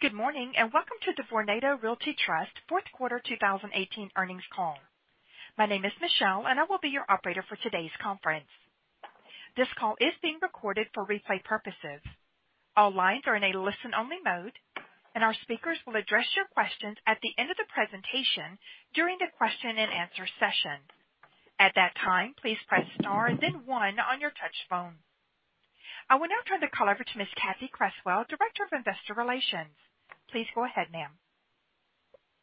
Good morning, welcome to the Vornado Realty Trust fourth quarter 2018 earnings call. My name is Michelle, I will be your operator for today's conference. This call is being recorded for replay purposes. All lines are in a listen-only mode, our speakers will address your questions at the end of the presentation during the question and answer session. At that time, please press star and then one on your touch phone. I will now turn the call over to Ms. Cathy Creswell, Director of Investor Relations. Please go ahead, ma'am.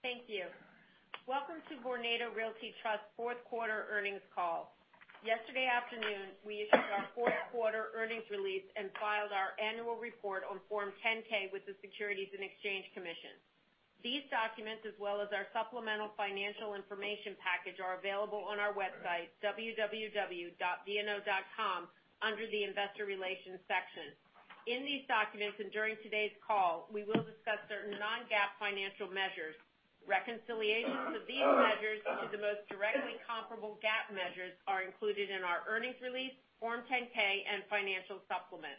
Thank you. Welcome to Vornado Realty Trust fourth quarter earnings call. Yesterday afternoon, we issued our fourth quarter earnings release and filed our annual report on Form 10-K with the Securities and Exchange Commission. These documents, as well as our supplemental financial information package, are available on our website, www.vno.com, under the Investor Relations section. In these documents during today's call, we will discuss certain non-GAAP financial measures. Reconciliations of these measures to the most directly comparable GAAP measures are included in our earnings release, Form 10-K, and financial supplement.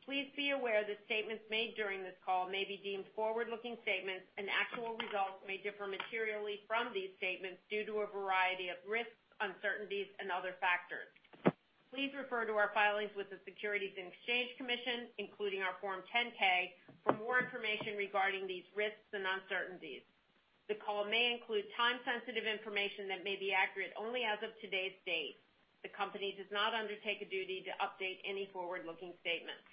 Please be aware that statements made during this call may be deemed forward-looking statements, actual results may differ materially from these statements due to a variety of risks, uncertainties, and other factors. Please refer to our filings with the Securities and Exchange Commission, including our Form 10-K, for more information regarding these risks and uncertainties. The call may include time-sensitive information that may be accurate only as of today's date. The company does not undertake a duty to update any forward-looking statements.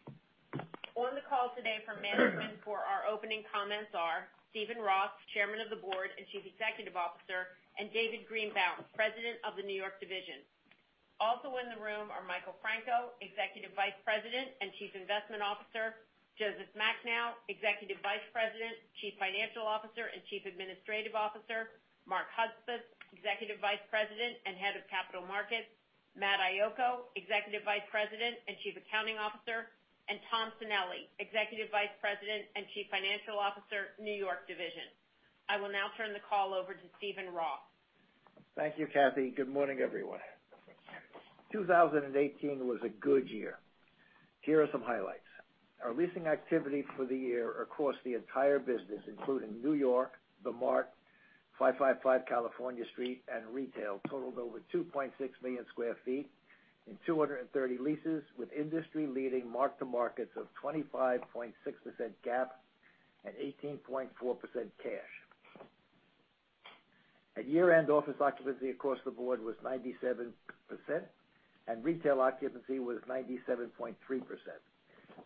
On the call today from management for our opening comments are Steven Roth, Chairman of the Board and Chief Executive Officer, David Greenbaum, President of the New York Division. Also in the room are Michael Franco, Executive Vice President and Chief Investment Officer, Joseph Macnow, Executive Vice President, Chief Financial Officer, and Chief Administrative Officer, Mark Hudspeth, Executive Vice President and Head of Capital Markets, Matt Iocco, Executive Vice President and Chief Accounting Officer and Tom Sanelli, Executive Vice President and Chief Financial Officer, New York Division. I will now turn the call over to Steven Roth. Thank you, Cathy. Good morning, everyone. 2018 was a good year. Here are some highlights. Our leasing activity for the year across the entire business, including New York, THE MART, 555 California Street, retail totaled over 2.6 million square feet in 230 leases, with industry-leading mark-to-markets of 25.6% GAAP and 18.4% cash. At year-end, office occupancy across the board was 97%, retail occupancy was 97.3%.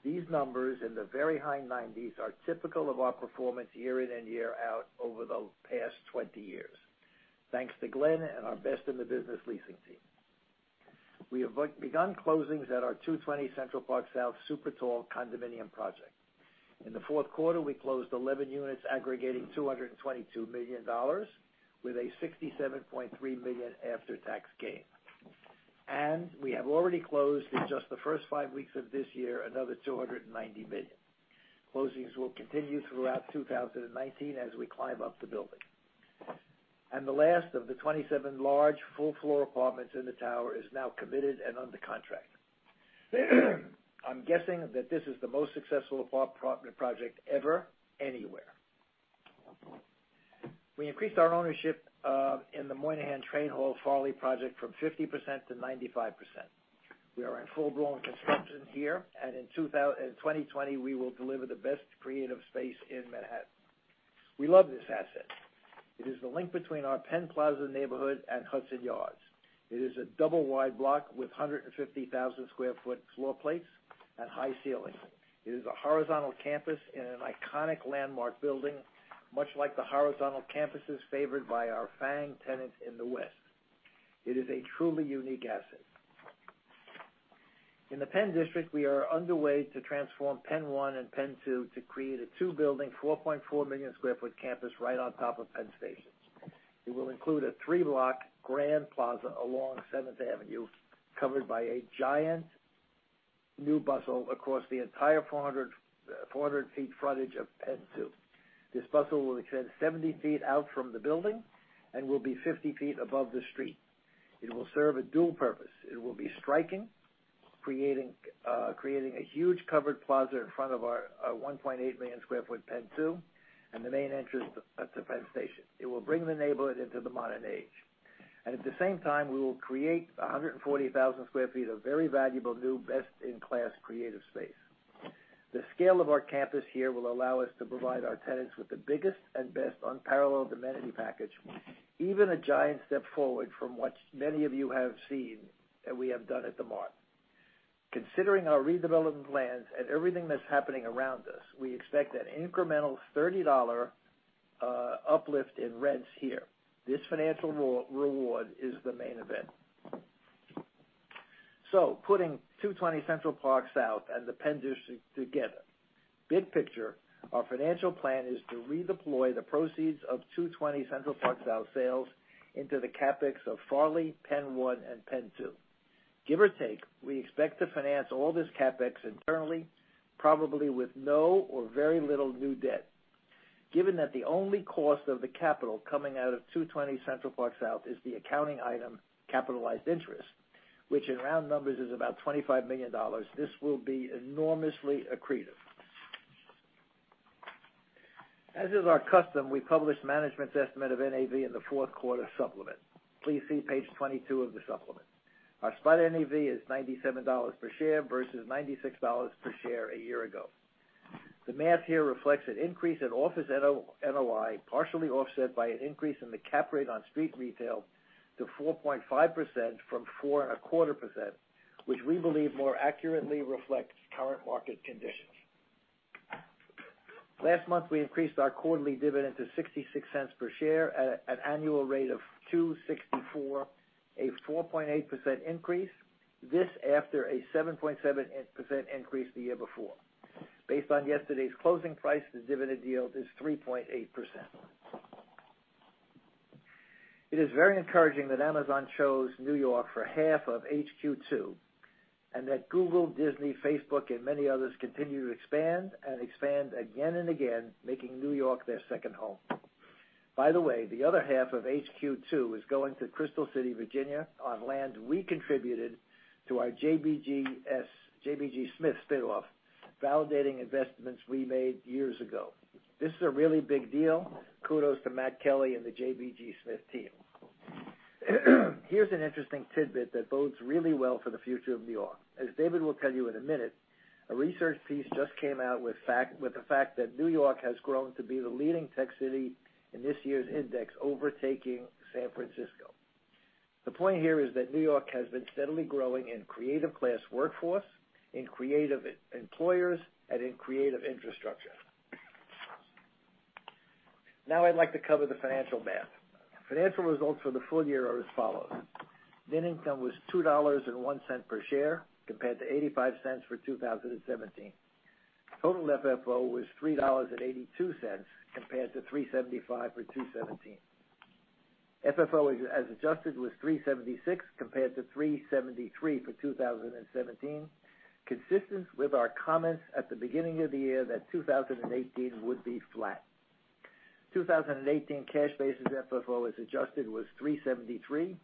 These numbers in the very high 90s are typical of our performance year in and year out over the past 20 years. Thanks to Glenn and our best-in-the-business leasing team. We have begun closings at our 220 Central Park South super tall condominium project. In the fourth quarter, we closed 11 units aggregating $222 million, with a $67.3 million after-tax gain. We have already closed, in just the first five weeks of this year, another $290 million. Closings will continue throughout 2019 as we climb up the building. The last of the 27 large full floor apartments in the tower is now committed and under contract. I'm guessing that this is the most successful apartment project ever, anywhere. We increased our ownership in the Moynihan Train Hall Farley project from 50% to 95%. We are in full-blown construction here, in 2020, we will deliver the best creative space in Manhattan. We love this asset. It is the link between our Penn Plaza neighborhood and Hudson Yards. It is a double-wide block with 150,000 sq ft floor plates and high ceilings. It is a horizontal campus in an iconic landmark building, much like the horizontal campuses favored by our FANG tenants in the West. It is a truly unique asset. In the Penn District, we are underway to transform PENN 1 and PENN 2 to create a two-building, 4.4 million square feet campus right on top of Penn Station. It will include a three-block grand plaza along Seventh Avenue, covered by a giant new bustle across the entire 400 ft frontage of PENN 2. this bustle will extend 70 ft out from the building and will be 50 ft above the street. It will serve a dual purpose. It will be striking, creating a huge covered plaza in front of our 1.8 million square feet of PENN 2 and the main entrance at the Penn Station. It will bring the neighborhood into the modern age. At the same time, we will create 140,000 sq ft of very valuable new best-in-class creative space. The scale of our campus here will allow us to provide our tenants with the biggest and best unparalleled amenity package, even a giant step forward from what many of you have seen that we have done at THE MART. Considering our redevelopment plans and everything that's happening around us, we expect an incremental $30 uplift in rents here. This financial reward is the main event. Putting 220 Central Park South and the Penn District together, big picture, our financial plan is to redeploy the proceeds of 220 Central Park South sales into the CapEx of Farley, PENN 1, and PENN 2. Give or take, we expect to finance all this CapEx internally, probably with no or very little new debt. Given that the only cost of the capital coming out of 220 Central Park South is the accounting item capitalized interest, which in round numbers is about $25 million, this will be enormously accretive. As is our custom, we published management's estimate of NAV in the fourth quarter supplement. Please see page 22 of the supplement. Our spot NAV is $97 per share versus $96 per share a year ago. The math here reflects an increase in office NOI, partially offset by an increase in the cap rate on street retail to 4.5% from 4.25%, which we believe more accurately reflects current market conditions. Last month, we increased our quarterly dividend to $0.66 per share at an annual rate of $2.64, a 4.8% increase. This after a 7.7% increase the year before. Based on yesterday's closing price, the dividend yield is 3.8%. It is very encouraging that Amazon chose New York for half of HQ2, and that Google, Disney, Facebook, and many others continue to expand and expand again and again, making New York their second home. By the way, the other half of HQ2 is going to Crystal City, Virginia, on land we contributed to our JBG Smith spin-off, validating investments we made years ago. This is a really big deal. Kudos to Matt Kelly and the JBG Smith team. Here's an interesting tidbit that bodes really well for the future of New York. As David will tell you in a minute, a research piece just came out with the fact that New York has grown to be the leading tech city in this year's index, overtaking San Francisco. The point here is that New York has been steadily growing in creative class workforce, in creative employers, and in creative infrastructure. Now I'd like to cover the financial math. Financial results for the full-year are as follows. Net income was $2.01 per share, compared to $0.85 for 2017. Total FFO was $3.82, compared to $3.75 for 2017. FFO, as adjusted, was $3.76, compared to $3.73 for 2017, consistent with our comments at the beginning of the year that 2018 would be flat. 2018 cash basis FFO as adjusted was $3.73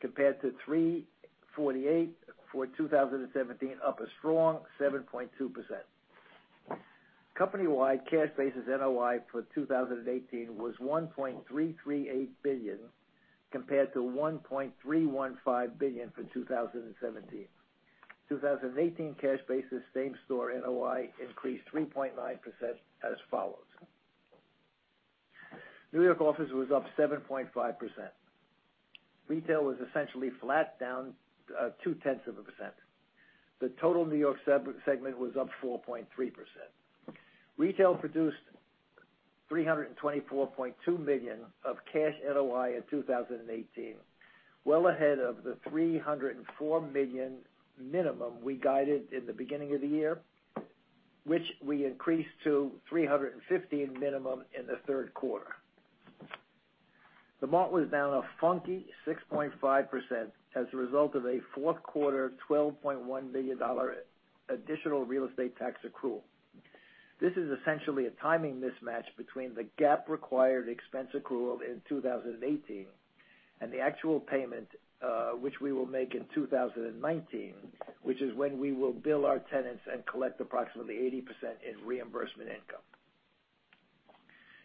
compared to $3.48 for 2017, up a strong 7.2%. Company-wide cash basis NOI for 2018 was $1.338 billion, compared to $1.315 billion for 2017. 2018 cash basis same-store NOI increased 3.9% as follows. New York office was up 7.5%. Retail was essentially flat, down 2/10 of a percent. The total New York segment was up 4.3%. Retail produced $324.2 million of cash NOI in 2018, well ahead of the $304 million minimum we guided in the beginning of the year, which we increased to $315 million minimum in the third quarter. THE MART was down a funky 6.5% as a result of a fourth quarter $12.1 million additional real estate tax accrual. This is essentially a timing mismatch between the GAAP-required expense accrual in 2018 and the actual payment, which we will make in 2019, which is when we will bill our tenants and collect approximately 80% in reimbursement income.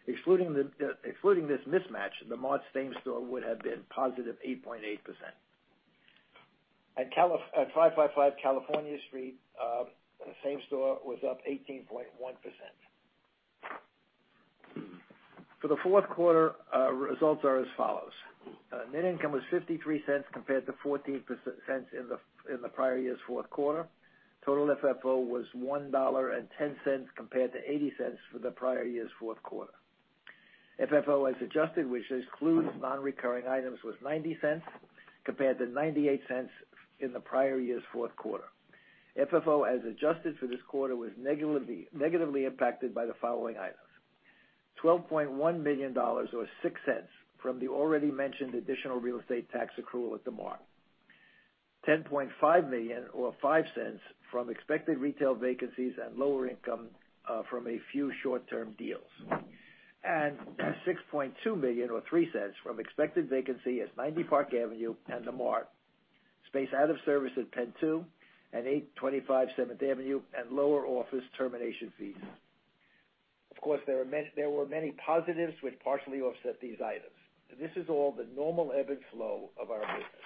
Excluding this mismatch, THE MART same-store would have been positive 8.8%. At 555 California Street, same store was up 18.1%. For the fourth quarter, results are as follows. Net income was $0.53 compared to $0.14 in the prior year's fourth quarter. Total FFO was $1.10 compared to $0.80 for the prior year's fourth quarter. FFO as adjusted, which excludes non-recurring items, was $0.90 compared to $0.98 in the prior year's fourth quarter. FFO as adjusted for this quarter was negatively impacted by the following items. $12.1 million or $0.06 from the already mentioned additional real estate tax accrual at THE MART. $10.5 million or $0.05 from expected retail vacancies and lower income from a few short-term deals. $6.2 million or $0.03 from expected vacancy at 90 Park Avenue and THE MART. Space out of service of PENN 2 and 825 Seventh Avenue at lower office termination fees. Of course, there were many positives which partially offset these items. This is all the normal ebb and flow of our business.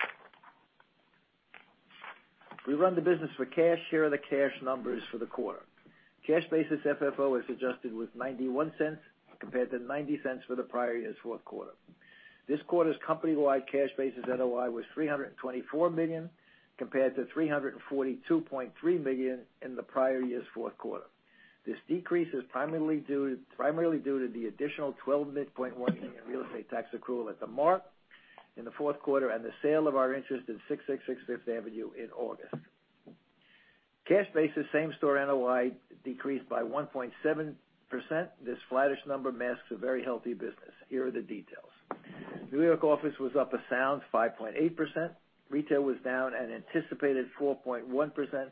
We run the business for cash. Here are the cash numbers for the quarter. Cash basis FFO as adjusted was $0.91 compared to $0.90 for the prior year's fourth quarter. This quarter's company-wide cash basis NOI was $324 million compared to $342.3 million in the prior year's fourth quarter. This decrease is primarily due to the additional $12.1 million real estate tax accrual at THE MART in the fourth quarter and the sale of our interest in 666 Fifth Avenue in August. Cash basis same-store NOI decreased by 1.7%. This flattish number masks a very healthy business. Here are the details. New York office was up a sound 5.8%. Retail was down an anticipated 4.1%,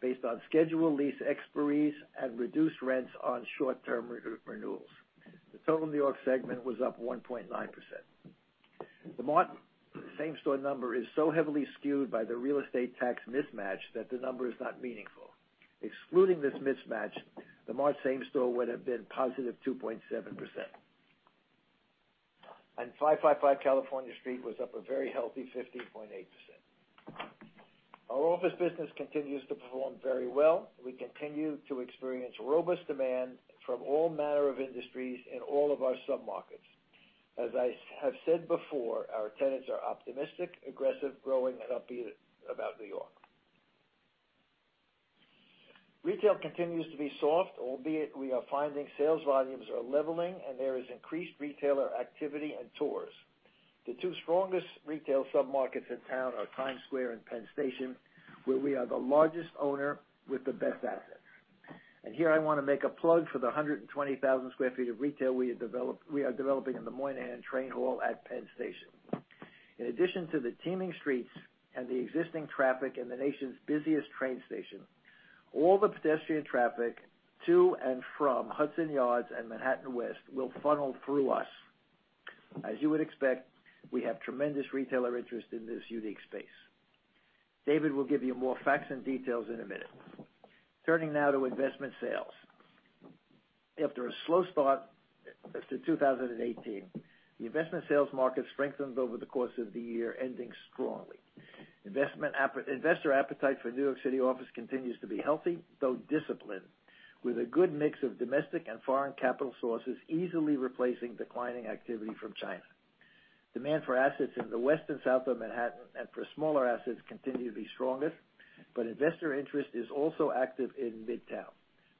based on scheduled lease expiries and reduced rents on short-term re-renewals. The total New York segment was up 1.9%. THE MART same-store number is so heavily skewed by the real estate tax mismatch that the number is not meaningful. Excluding this mismatch, THE MART same-store would've been positive 2.7%. 555 California Street was up a very healthy 15.8%. Our office business continues to perform very well. We continue to experience robust demand from all manner of industries in all of our sub-markets. As I have said before, our tenants are optimistic, aggressive, growing, and upbeat about New York. Retail continues to be soft, albeit we are finding sales volumes are leveling, and there is increased retailer activity and tours. The two strongest retail sub-markets in town are Times Square and Penn Station, where we are the largest owner with the best assets. Here I want to make a plug for the 120,000 sq ft of retail we are developing in the Moynihan Train Hall at Penn Station. In addition to the teeming streets and the existing traffic in the nation's busiest train station, all the pedestrian traffic to and from Hudson Yards and Manhattan West will funnel through us. As you would expect, we have tremendous retailer interest in this unique space. David will give you more facts and details in a minute. Turning now to investment sales. After a slow start to 2018, the investment sales market strengthened over the course of the year, ending strongly. Investor appetite for New York City office continues to be healthy, though disciplined, with a good mix of domestic and foreign capital sources easily replacing declining activity from China. Demand for assets in the West and South of Manhattan and for smaller assets continue to be strongest, but investor interest is also active in Midtown.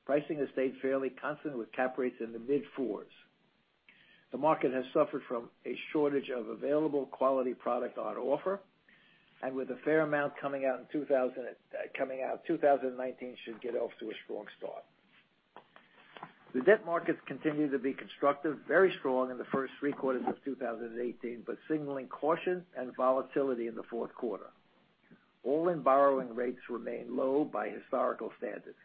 Pricing has stayed fairly constant, with cap rates in the mid-fours. The market has suffered from a shortage of available quality product on offer, and with a fair amount coming out, 2019 should get off to a strong start. The debt markets continue to be constructive, very strong in the first three quarters of 2018, but signaling caution and volatility in the fourth quarter. All-in borrowing rates remain low by historical standards.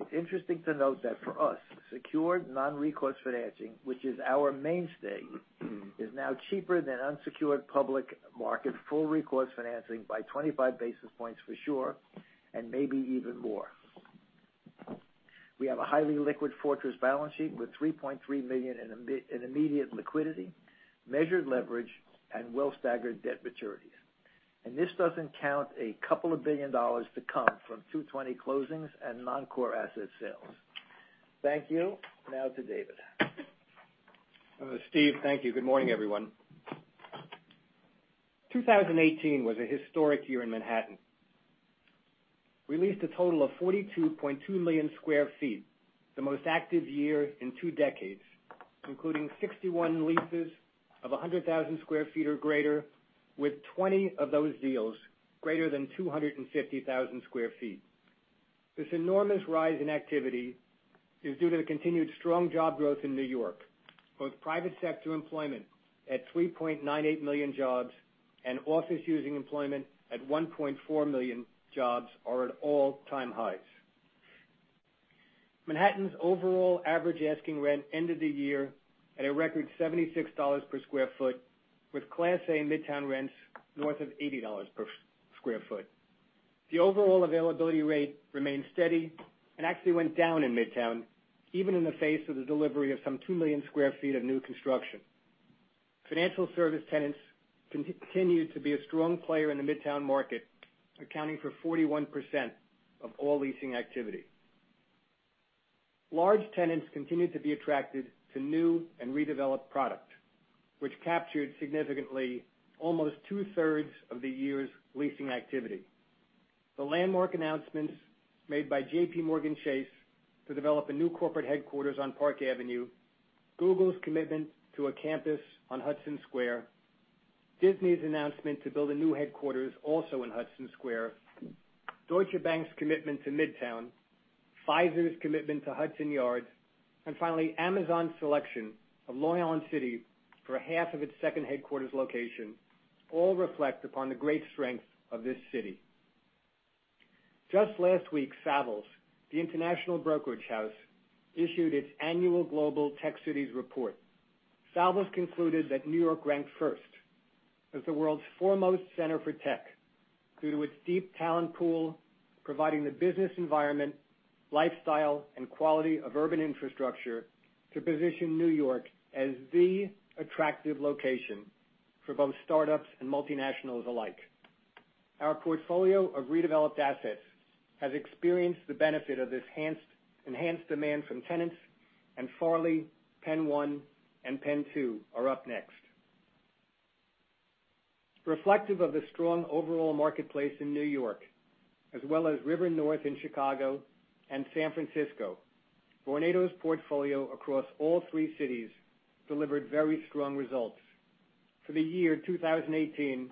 It's interesting to note that for us, secured non-recourse financing, which is our mainstay, is now cheaper than unsecured public market full recourse financing by 25 basis points for sure, and maybe even more. We have a highly liquid fortress balance sheet with $3.3 million in immediate liquidity, measured leverage, and well-staggered debt maturities. This doesn't count a couple of billion dollars to come from 220 closings and non-core asset sales. Thank you. Now to David. Steve, thank you. Good morning, everyone. 2018 was a historic year in Manhattan. We leased a total of 42.2 million square feet, the most active year in two decades, including 61 leases of 100,000 sq ft or greater, with 20 of those deals greater than 250,000 sq ft. This enormous rise in activity is due to the continued strong job growth in New York, both private sector employment at 3.98 million jobs and office using employment at 1.4 million jobs are at all-time highs. Manhattan's overall average asking rent ended the year at a record $76 per sq ft, with Class A Midtown rents north of $80 per sq ft. The overall availability rate remained steady and actually went down in Midtown, even in the face of the delivery of some 2 million square feet of new construction. Financial service tenants continued to be a strong player in the Midtown market, accounting for 41% of all leasing activity. Large tenants continued to be attracted to new and redeveloped product, which captured significantly almost 2/3 of the year's leasing activity. The landmark announcements made by JPMorgan Chase to develop a new corporate headquarters on Park Avenue, Google's commitment to a campus on Hudson Square, Disney's announcement to build a new headquarters also in Hudson Square, Deutsche Bank's commitment to Midtown, Pfizer's commitment to Hudson Yards, and finally, Amazon's selection of Long Island City for half of its second headquarters location, all reflect upon the great strength of this city. Just last week, Savills, the international brokerage house, issued its annual Global Tech Cities report. Savills concluded that New York ranked first as the world's foremost center for tech due to its deep talent pool, providing the business environment, lifestyle, and quality of urban infrastructure to position New York as the attractive location for both startups and multinationals alike. Our portfolio of redeveloped assets has experienced the benefit of this enhanced demand from tenants, and Farley, PENN 1, and PENN 2 are up next. Reflective of the strong overall marketplace in New York, as well as River North in Chicago and San Francisco, Vornado's portfolio across all three cities delivered very strong results. For the year 2018,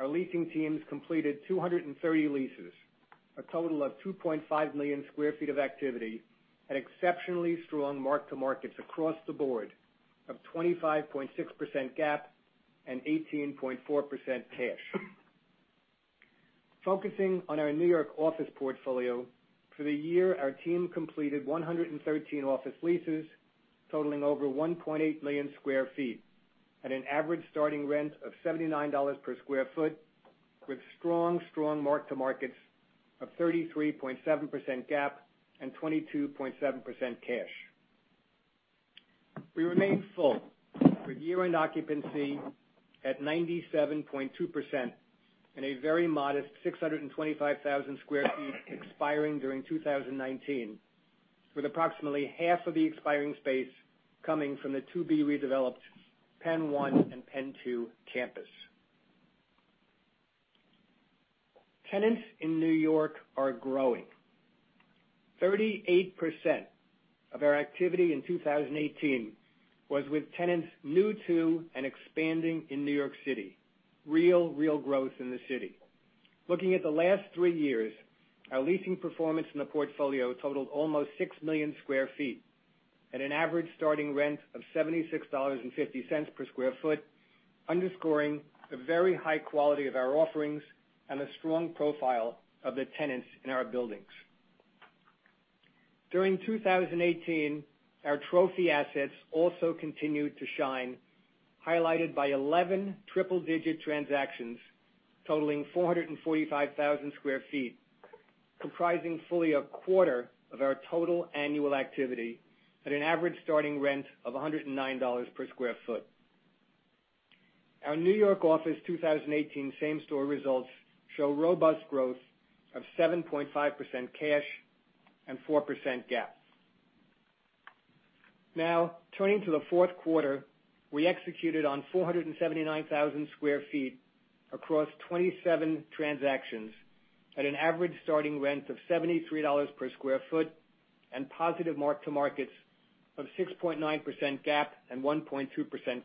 our leasing teams completed 230 leases, a total of 2.5 million square feet of activity at exceptionally strong mark-to-markets across the board of 25.6% GAAP and 18.4% cash. Focusing on our New York office portfolio, for the year, our team completed 113 office leases totaling over 1.8 million square feet at an average starting rent of $79 per sq ft, with strong mark-to-markets of 33.7% GAAP and 22.7% cash. We remain full for year-end occupancy at 97.2% and a very modest 625,000 sq ft expiring during 2019, with approximately half of the expiring space coming from the to-be redeveloped PENN 1 and PENN 2 campus. Tenants in New York are growing. 38% of our activity in 2018 was with tenants new to and expanding in New York City. Real growth in the city. Looking at the last three years, our leasing performance in the portfolio totaled almost 6 million square feet at an average starting rent of $76.50 per sq ft, underscoring the very high quality of our offerings and the strong profile of the tenants in our buildings. During 2018, our trophy assets also continued to shine, highlighted by 11 triple-digit transactions totaling 445,000 sq ft, comprising fully a quarter of our total annual activity at an average starting rent of $109 per sq ft. Our New York office 2018 same-store results show robust growth of 7.5% cash and 4% GAAP. Turning to the fourth quarter, we executed on 479,000 sq ft across 27 transactions at an average starting rent of $73 per sq ft and positive mark-to-markets of 6.9% GAAP and 1.2%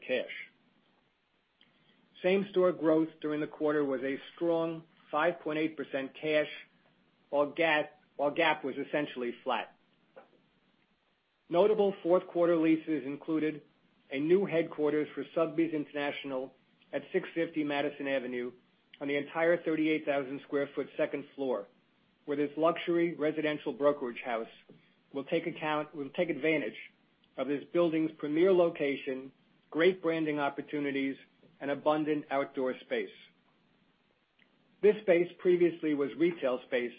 cash. Same-store growth during the quarter was a strong 5.8% cash, while GAAP was essentially flat. Notable fourth quarter leases included a new headquarters for Sotheby's International at 650 Madison Avenue on the entire 38,000 sq ft second floor, where this luxury residential brokerage house will take advantage of this building's premier location, great branding opportunities, and abundant outdoor space. This space previously was retail space,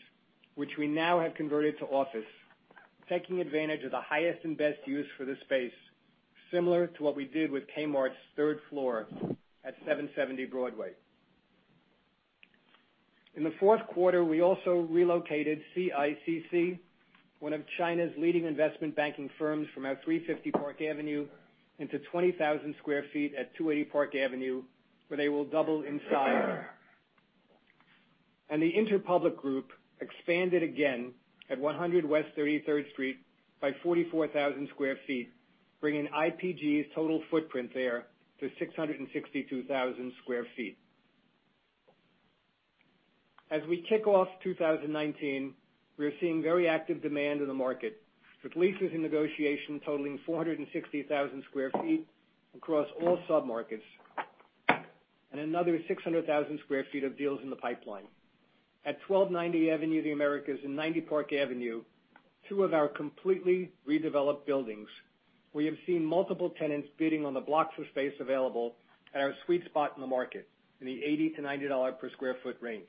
which we now have converted to office, taking advantage of the highest and best use for this space, similar to what we did with Kmart's third floor at 770 Broadway. In the fourth quarter, we also relocated CICC, one of China's leading investment banking firms, from our 350 Park Avenue into 20,000 sq ft at 280 Park Avenue, where they will double in size. The Interpublic Group expanded again at 100 West 33rd Street by 44,000 sq ft, bringing IPG's total footprint there to 662,000 sq ft. We kick off 2019, we are seeing very active demand in the market, with leases in negotiation totaling 460,000 sq ft across all sub-markets and another 600,000 sq ftof deals in the pipeline. At 1290 Avenue of the Americas and 90 Park Avenue, two of our completely redeveloped buildings, we have seen multiple tenants bidding on the blocks of space available at our sweet spot in the market, in the $80-$90 per sq ft range.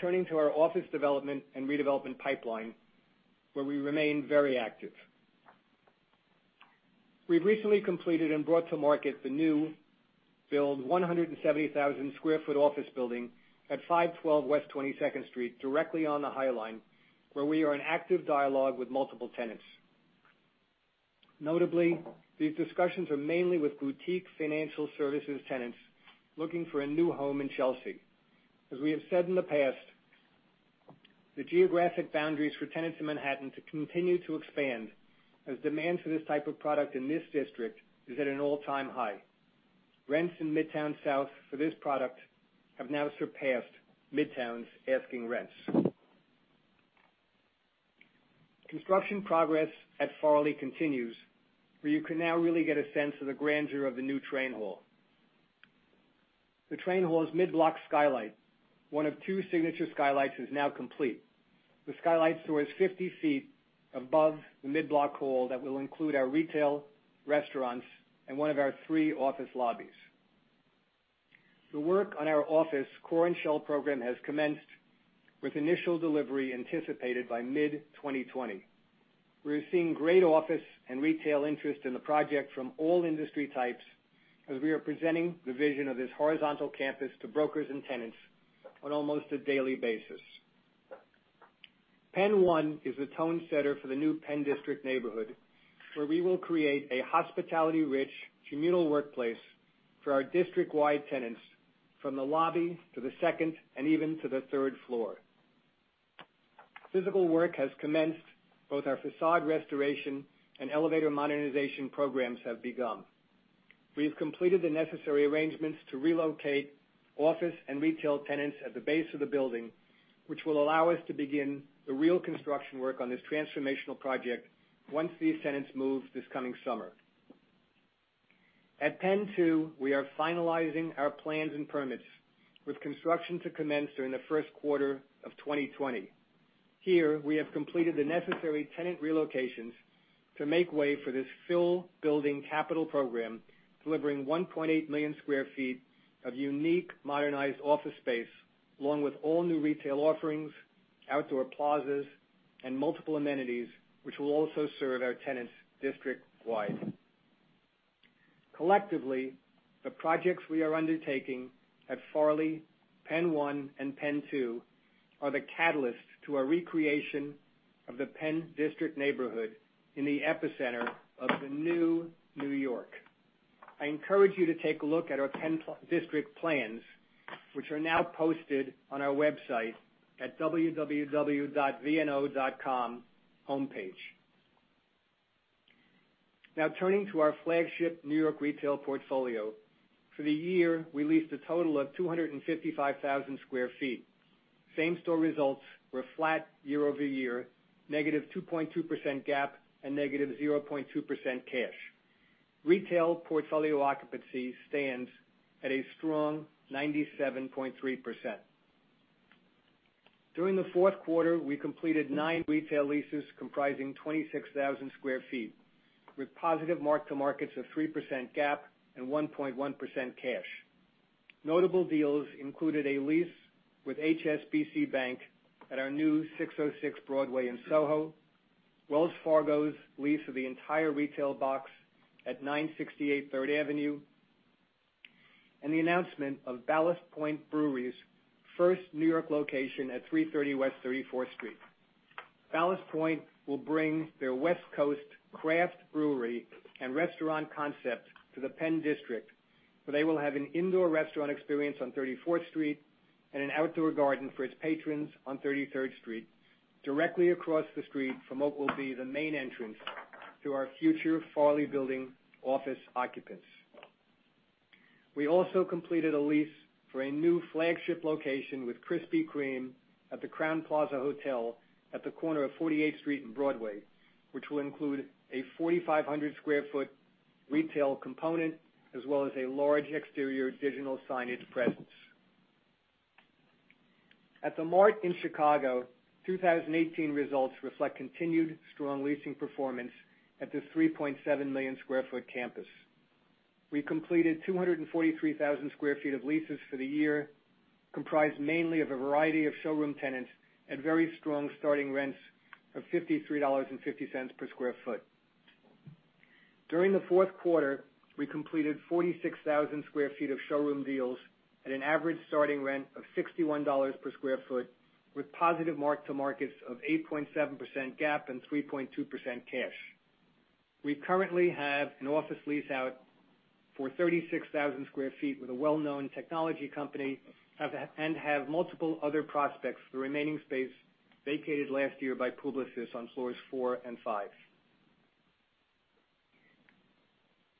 Turning to our office development and redevelopment pipeline, where we remain very active. We've recently completed and brought to market the new build 170,000 sq ft office building at 512 West 22nd Street, directly on the High Line, where we are in active dialogue with multiple tenants. Notably, these discussions are mainly with boutique financial services tenants looking for a new home in Chelsea. We have said in the past, the geographic boundaries for tenants in Manhattan continue to expand, as demand for this type of product in this district is at an all-time high. Rents in Midtown South for this product have now surpassed Midtown's asking rents. Construction progress at Farley continues, where you can now really get a sense of the grandeur of the new train hall. The train hall's midblock skylight, one of two signature skylights, is now complete. The skylight soars 50 ft above the midblock hall that will include our retail, restaurants, and one of our three office lobbies. The work on our office core and shell program has commenced, with initial delivery anticipated by mid-2020. We are seeing great office and retail interest in the project from all industry types, as we are presenting the vision of this horizontal campus to brokers and tenants on almost a daily basis. PENN 1 is the tone-setter for the new Penn District neighborhood, where we will create a hospitality-rich, communal workplace for our district-wide tenants, from the lobby to the second and even to the third floor. Physical work has commenced. Both our facade restoration and elevator modernization programs have begun. We have completed the necessary arrangements to relocate office and retail tenants at the base of the building, which will allow us to begin the real construction work on this transformational project once these tenants move this coming summer. PENN 2, we are finalizing our plans and permits, with construction to commence during the first quarter of 2020. Here, we have completed the necessary tenant relocations to make way for this full building capital program, delivering 1.8 million square feet of unique modernized office space, along with all new retail offerings, outdoor plazas, and multiple amenities, which will also serve our tenants district-wide. Collectively, the projects we are undertaking at Farley, PENN 1, and PENN 2 are the catalyst to our recreation of the Penn District neighborhood in the epicenter of the new New York. I encourage you to take a look at our Penn District plans, which are now posted on our website at vno.com homepage. Turning to our flagship New York retail portfolio. For the year, we leased a total of 255,000 sq ft. Same store results were flat year-over-year, -2.2% GAAP, and -0.2% cash. Retail portfolio occupancy stands at a strong 97.3%. During the fourth quarter, we completed nine retail leases comprising 26,000 sq ft, with positive mark to markets of 3% GAAP and 1.1% cash. Notable deals included a lease with HSBC Bank at our new 606 Broadway in SoHo, Wells Fargo's lease of the entire retail box at 968 Third Avenue, and the announcement of Ballast Point Brewery's first New York location at 330 West 34th Street. Ballast Point will bring their West Coast craft brewery and restaurant concept to the Penn District, where they will have an indoor restaurant experience on 34th Street and an outdoor garden for its patrons on 33rd Street, directly across the street from what will be the main entrance to our future Farley building office occupants. We also completed a lease for a new flagship location with Krispy Kreme at the Crowne Plaza Hotel at the corner of 48th Street and Broadway, which will include a 4,500 sq ft retail component as well as a large exterior digital signage presence. At THE MART in Chicago, 2018 results reflect continued strong leasing performance at this 3.7 million square feet campus. We completed 243,000 sq ft of leases for the year, comprised mainly of a variety of showroom tenants at very strong starting rents of $53.50 per sq ft. During the fourth quarter, we completed 46,000 sq ft of showroom deals at an average starting rent of $61 per sq ft, with positive mark to markets of 8.7% GAAP and 3.2% cash. We currently have an office lease out for 36,000 sq ft with a well-known technology company and have multiple other prospects for the remaining space vacated last year by Publicis on floors four and five.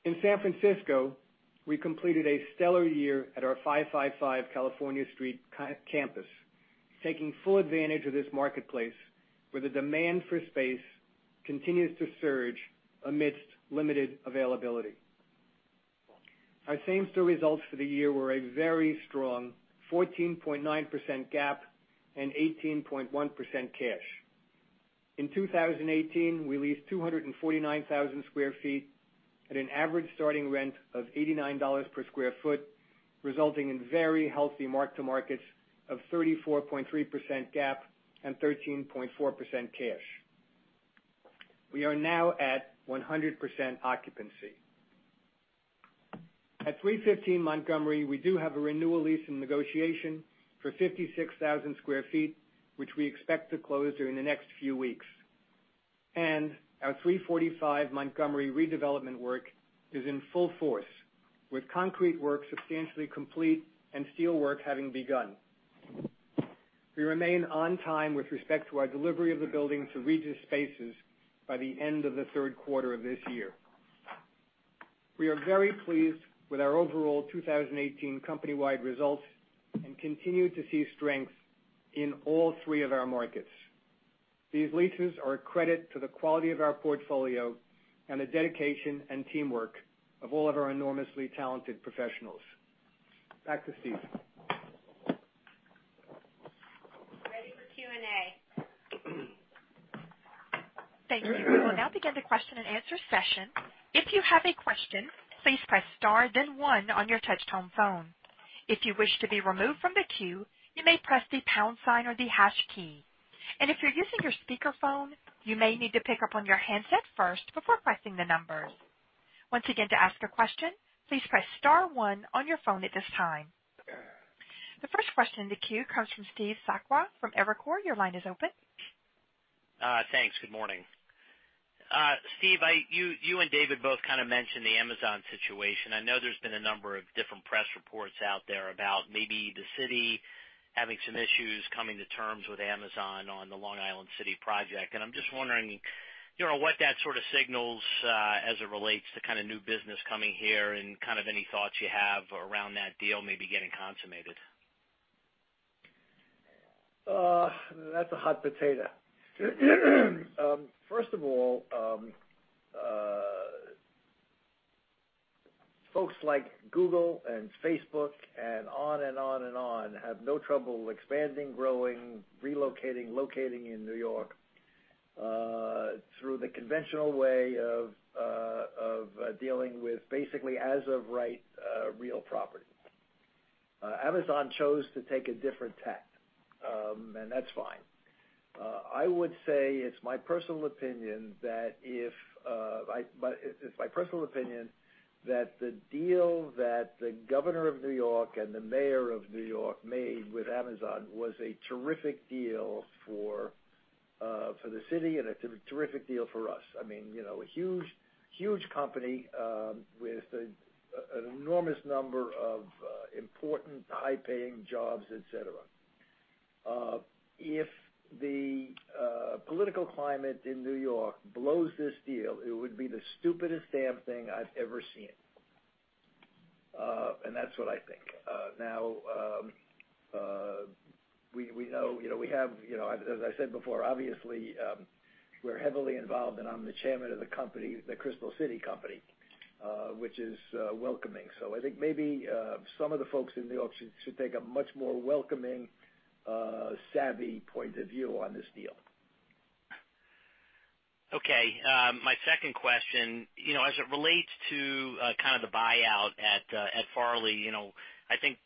In San Francisco, we completed a stellar year at our 555 California Street campus, taking full advantage of this marketplace where the demand for space continues to surge amidst limited availability. Our same store results for the year were a very strong 14.9% GAAP and 18.1% cash. In 2018, we leased 249,000 sq ft at an average starting rent of $89 per sq ft, resulting in very healthy mark to markets of 34.3% GAAP and 13.4% cash. We are now at 100% occupancy. At 315 Montgomery, we do have a renewal lease in negotiation for 56,000 sq ft, which we expect to close during the next few weeks. Our 345 Montgomery redevelopment work is in full force, with concrete work substantially complete and steel work having begun. We remain on time with respect to our delivery of the building to Regus Spaces by the end of the third quarter of this year. We are very pleased with our overall 2018 company-wide results and continue to see strength in all three of our markets. These leases are a credit to the quality of our portfolio and the dedication and teamwork of all of our enormously talented professionals. Back to Steve. Ready for Q&A. Thank you. We will now begin the question and answer session. If you have a question, please press star then one on your touch-tone phone. If you wish to be removed from the queue, you may press the pound sign or the hash key. If you're using your speakerphone, you may need to pick up on your handset first before pressing the numbers. Once again, to ask a question, please press star one on your phone at this time. The first question in the queue comes from Steve Sakwa from Evercore. Your line is open. Thanks. Good morning. Steve, you and David both kind of mentioned the Amazon situation. I know there's been a number of different press reports out there about maybe the city having some issues coming to terms with Amazon on the Long Island City project. I'm just wondering what that sort of signals as it relates to new business coming here and any thoughts you have around that deal maybe getting consummated. That's a hot potato. First of all, folks like Google and Facebook, and on and on and on, have no trouble expanding, growing, relocating, locating in New York, through the conventional way of dealing with basically as-of-right real property. Amazon chose to take a different tact, and that's fine. I would say it's my personal opinion that the deal that the governor of New York and the mayor of New York made with Amazon was a terrific deal for the city and a terrific deal for us. A huge company with an enormous number of important high-paying jobs, et cetera. If the political climate in New York blows this deal, it would be the stupidest damn thing I've ever seen. That's what I think. As I said before, obviously, we're heavily involved, and I'm the chairman of the company, the Crystal City Company, which is welcoming. I think maybe some of the folks in New York should take a much more welcoming, savvy point of view on this deal. Okay. My second question, as it relates to kind of the buyout at Farley, I think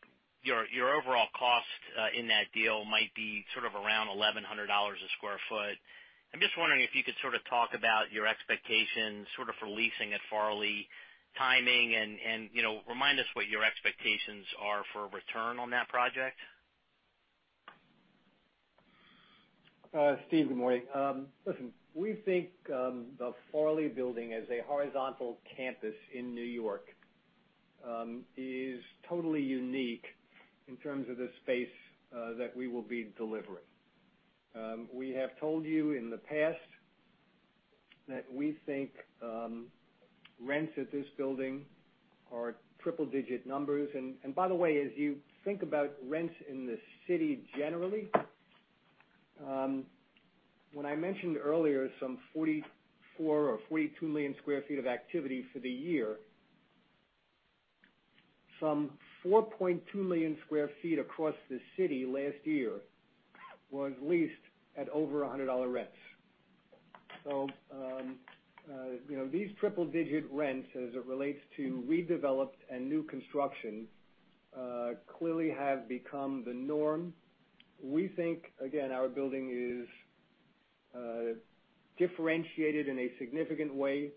your overall cost in that deal might be sort of around $1,100 a sq ft. I'm just wondering if you could sort of talk about your expectations sort of for leasing at Farley, timing, and remind us what your expectations are for a return on that project. Steve, good morning. Listen, we think the Farley building as a horizontal campus in New York, is totally unique in terms of the space that we will be delivering. We have told you in the past that we think rents at this building are triple-digit numbers. By the way, as you think about rents in the city generally, when I mentioned earlier 44 million or 42 million square feet of activity for the year, 4.2 million square feet across the city last year were leased at over $100 rents. These triple-digit rents, as it relates to redeveloped and new construction, clearly have become the norm. We think, again, our building is differentiated in a significant way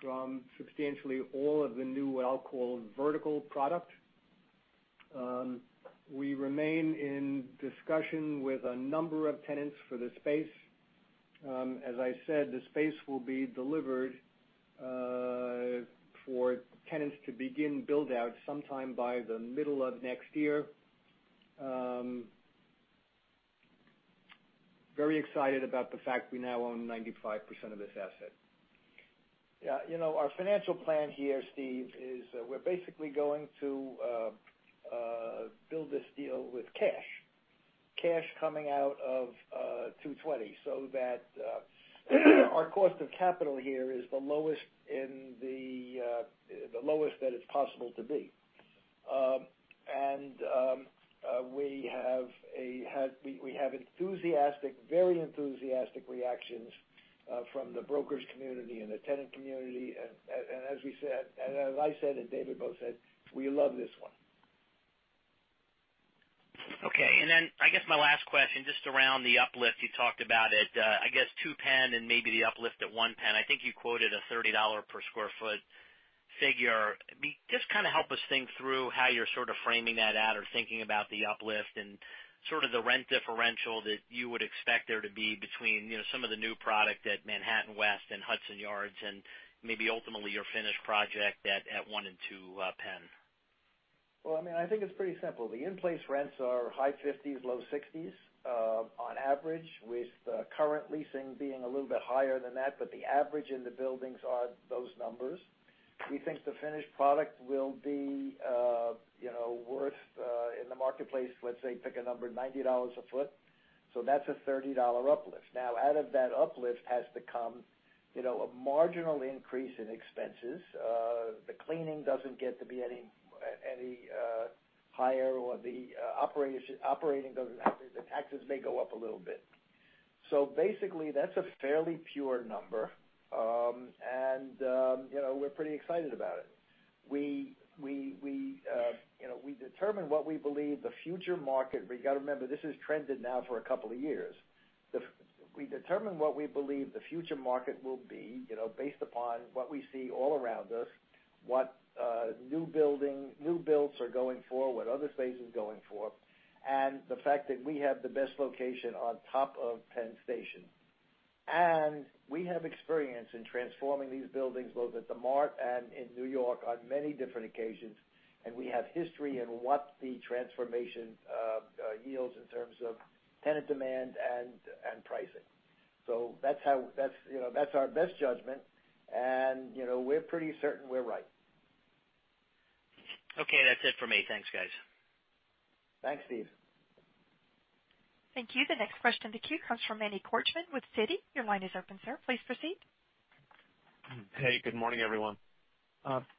from substantially all of the new, what I'll call, vertical product. We remain in discussion with a number of tenants for the space. As I said, the space will be delivered for tenants to begin build-out sometime by the middle of next year. Very excited about the fact we now own 95% of this asset. Yeah. Our financial plan here, Steve, is we're basically going to build this deal with cash. Cash coming out of 220, so that our cost of capital here is the lowest that it's possible to be. We have very enthusiastic reactions from the brokers community and the tenant community. As I said, and David both said, we love this one. Okay. Then I guess my last question, just around the uplift, you talked about it, I guess PENN 2 and maybe the uplift at PENN 1. I think you quoted a $30 per sq ft figure. Just kind of help us think through how you're sort of framing that out or thinking about the uplift and sort of the rent differential that you would expect there to be between some of the new product at Manhattan West and Hudson Yards and maybe ultimately your finished project at PENN 1 and PENN 2. Well, I think it's pretty simple. The in-place rents are high 50s, low 60s on average, with current leasing being a little bit higher than that. The average in the buildings are those numbers. We think the finished product will be worth in the marketplace, let's say, pick a number, $90 a ft. That's a $30 uplift. Now, out of that uplift has to come a marginal increase in expenses. The cleaning doesn't get to be any higher. The operating doesn't have to. The taxes may go up a little bit. Basically, that's a fairly pure number, and we're pretty excited about it. We got to remember, this has trended now for a couple of years. We determine what we believe the future market will be, based upon what we see all around us. What new builds are going for, what other space is going for. The fact that we have the best location on top of Penn Station. We have experience in transforming these buildings, both at THE MART and in New York on many different occasions. We have history in what the transformation yields in terms of tenant demand and pricing. That's our best judgment, and we're pretty certain we're right. Okay, that's it for me. Thanks, guys. Thanks, Steve. Thank you. The next question in the queue comes from Manny Korchman with Citi. Your line is open, sir. Please proceed. Hey, good morning, everyone.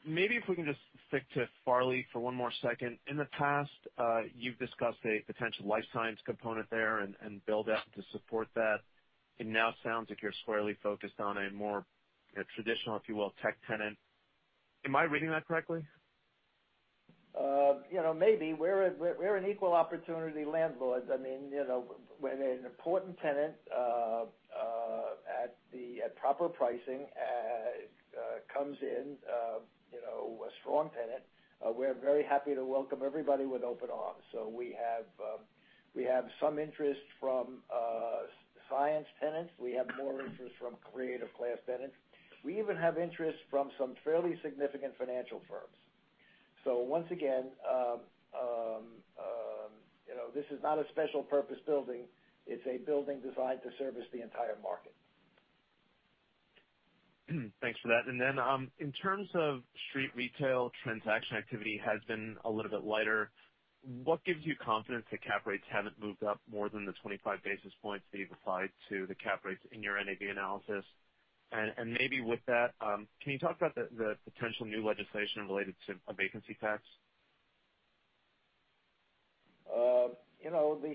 Maybe if we can just stick to Farley for one more second. In the past, you've discussed a potential life science component there and build out to support that. It now sounds like you're squarely focused on a more traditional, if you will, tech tenant. Am I reading that correctly? Maybe. We're an equal opportunity landlord. When an important tenant at proper pricing comes in, a strong tenant, we're very happy to welcome everybody with open arms. We have some interest from science tenants. We have more interest from creative class tenants. We even have interest from some fairly significant financial firms. Once again, this is not a special purpose building. It's a building designed to service the entire market. Thanks for that. Then, in terms of street retail, transaction activity has been a little bit lighter. What gives you confidence that cap rates haven't moved up more than the 25 basis points that you've applied to the cap rates in your NAV analysis? Maybe with that, can you talk about the potential new legislation related to a vacancy tax? The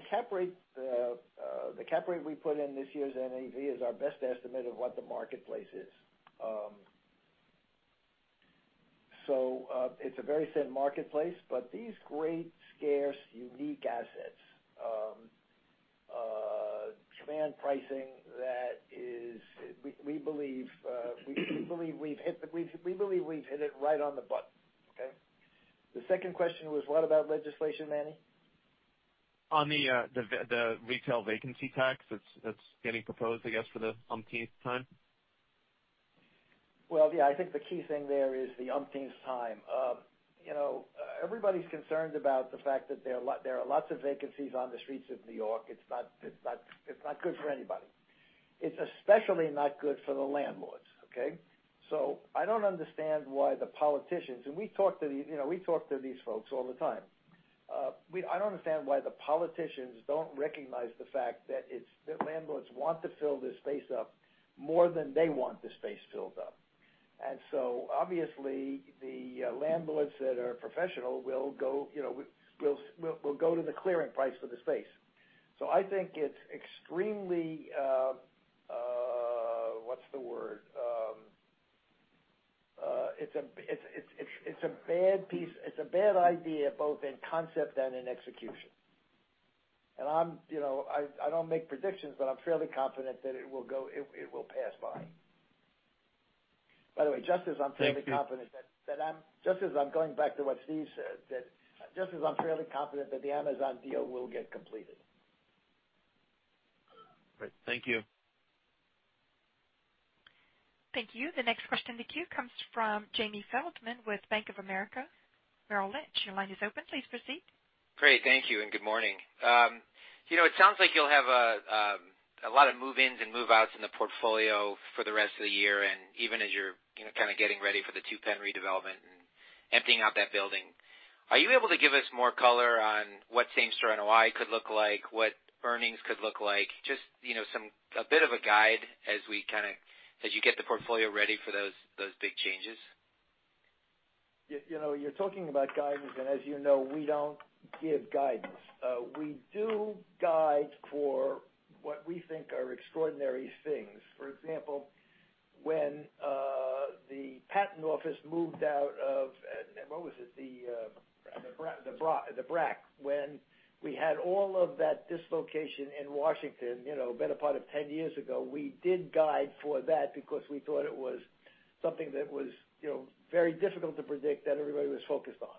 cap rate we put in this year's NAV is our best estimate of what the marketplace is. It's a very set marketplace, but these great, scarce, unique assets demand pricing that we believe we've hit it right on the button. Okay. The second question was, what about legislation, Manny? On the retail vacancy tax that's getting proposed, I guess, for the umpteenth time. Well, yeah, I think the key thing there is the umpteenth time. Everybody's concerned about the fact that there are lots of vacancies on the streets of New York. It's not good for anybody. It's especially not good for the landlords. Okay? I don't understand why the politicians, and we talk to these folks all the time. I don't understand why the politicians don't recognize the fact that landlords want to fill this space up more than they want the space filled up. Obviously, the landlords that are professional will go to the clearing price for the space. I think it's extremely What's the word? It's a bad idea, both in concept and in execution. I don't make predictions, but I'm fairly confident that it will pass by. By the way. Thank you. Just as I'm going back to what Steve said, that just as I'm fairly confident that the Amazon deal will get completed. Great. Thank you. Thank you. The next question in the queue comes from Jamie Feldman with Bank of America Merrill Lynch. Your line is open. Please proceed. Great. Thank you, and good morning. It sounds like you'll have a lot of move-ins and move-outs in the portfolio for the rest of the year, and even as you're getting ready for the PENN 2 redevelopment and emptying out that building. Are you able to give us more color on what same store NOI could look like, what earnings could look like? Just a bit of a guide as you get the portfolio ready for those big changes. You're talking about guidance, as you know, we don't give guidance. We do guide for what we think are extraordinary things. For example, when the patent office moved out of, what was it? The BRAC. The BRAC. When we had all of that dislocation in Washington, better part of 10 years ago, we did guide for that because we thought it was something that was very difficult to predict, that everybody was focused on.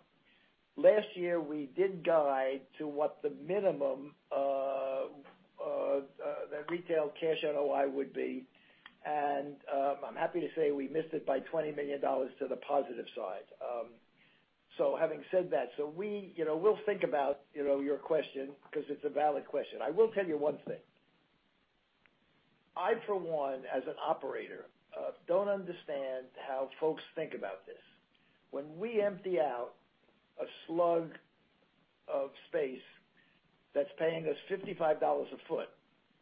Last year, we did guide to what the minimum of the retail cash NOI would be, I'm happy to say we missed it by $20 million to the positive side. Having said that, so we'll think about your question because it's a valid question. I will tell you one thing. I, for one, as an operator, don't understand how folks think about this. When we empty out a slug of space that's paying us $55 a ft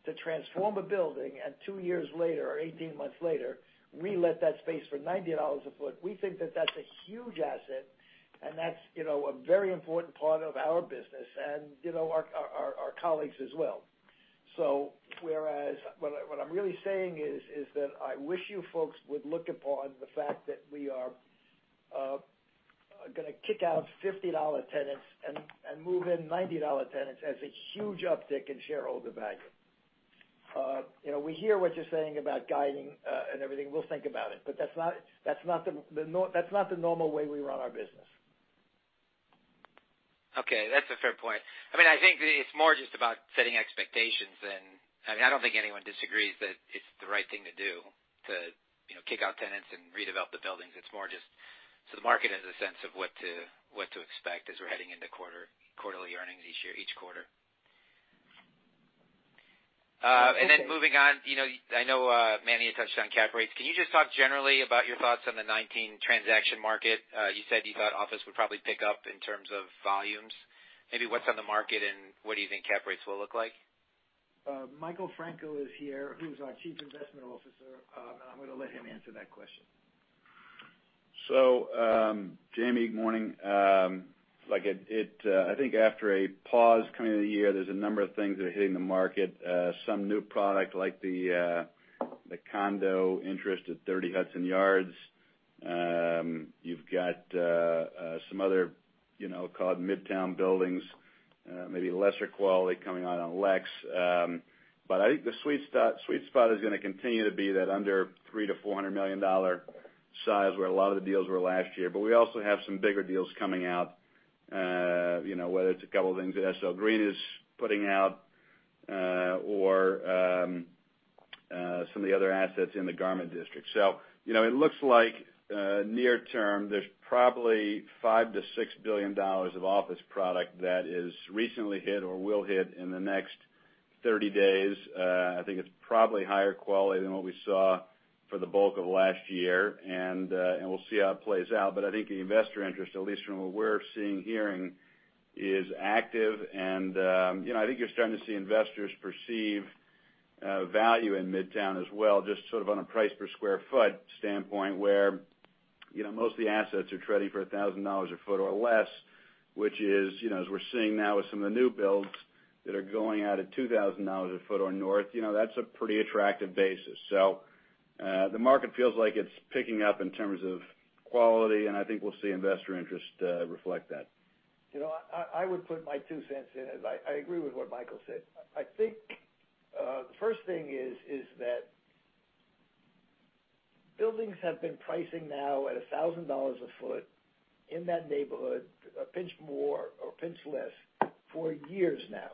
to transform a building, two years later or 18 months later, re-let that space for $90 a ft, we think that that's a huge asset, that's a very important part of our business and our colleagues as well. Whereas what I'm really saying is that I wish you folks would look upon the fact that we are gonna kick out $50 tenants and move in $90 tenants as a huge uptick in shareholder value. We hear what you're saying about guiding, everything, we'll think about it, that's not the normal way we run our business. Okay. That's a fair point. I think it's more just about setting expectations and I don't think anyone disagrees that it's the right thing to do to kick out tenants and redevelop the buildings. It's more just so the market has a sense of what to expect as we're heading into quarterly earnings each quarter. Moving on, I know, Manny, you touched on cap rates. Can you just talk generally about your thoughts on the 2019 transaction market? You said you thought office would probably pick up in terms of volumes. Maybe what's on the market, and what do you think cap rates will look like? Michael Franco is here, who's our Chief Investment Officer. I'm going to let him answer that question. Jamie, good morning. I think after a pause coming into the year, there's a number of things that are hitting the market. Some new product like the condo interest at 30 Hudson Yards. You've got some other called Midtown Buildings, maybe lesser quality coming out on Lex. I think the sweet spot is going to continue to be that under $300 million-$400 million size, where a lot of the deals were last year. We also have some bigger deals coming out, whether it's a couple of things that SL Green is putting out, or some of the other assets in the Garment District. It looks like near term, there's probably $5 billion to $6 billion of office product that is recently hit or will hit in the next 30 days. I think it's probably higher quality than what we saw for the bulk of last year, and we'll see how it plays out. I think the investor interest, at least from what we're seeing, hearing, is active and I think you're starting to see investors perceive value in Midtown as well, just sort of on a price per square foot standpoint, where mostly assets are trading for $1,000 a ft or less, which is, as we're seeing now with some of the new builds that are going out at $2,000 a ft or north, that's a pretty attractive basis. The market feels like it's picking up in terms of quality, and I think we'll see investor interest reflect that. I would put my two cents in, as I agree with what Michael said. I think, the first thing is that buildings have been pricing now at $1,000 a ft in that neighborhood, a pinch more or a pinch less, for years now.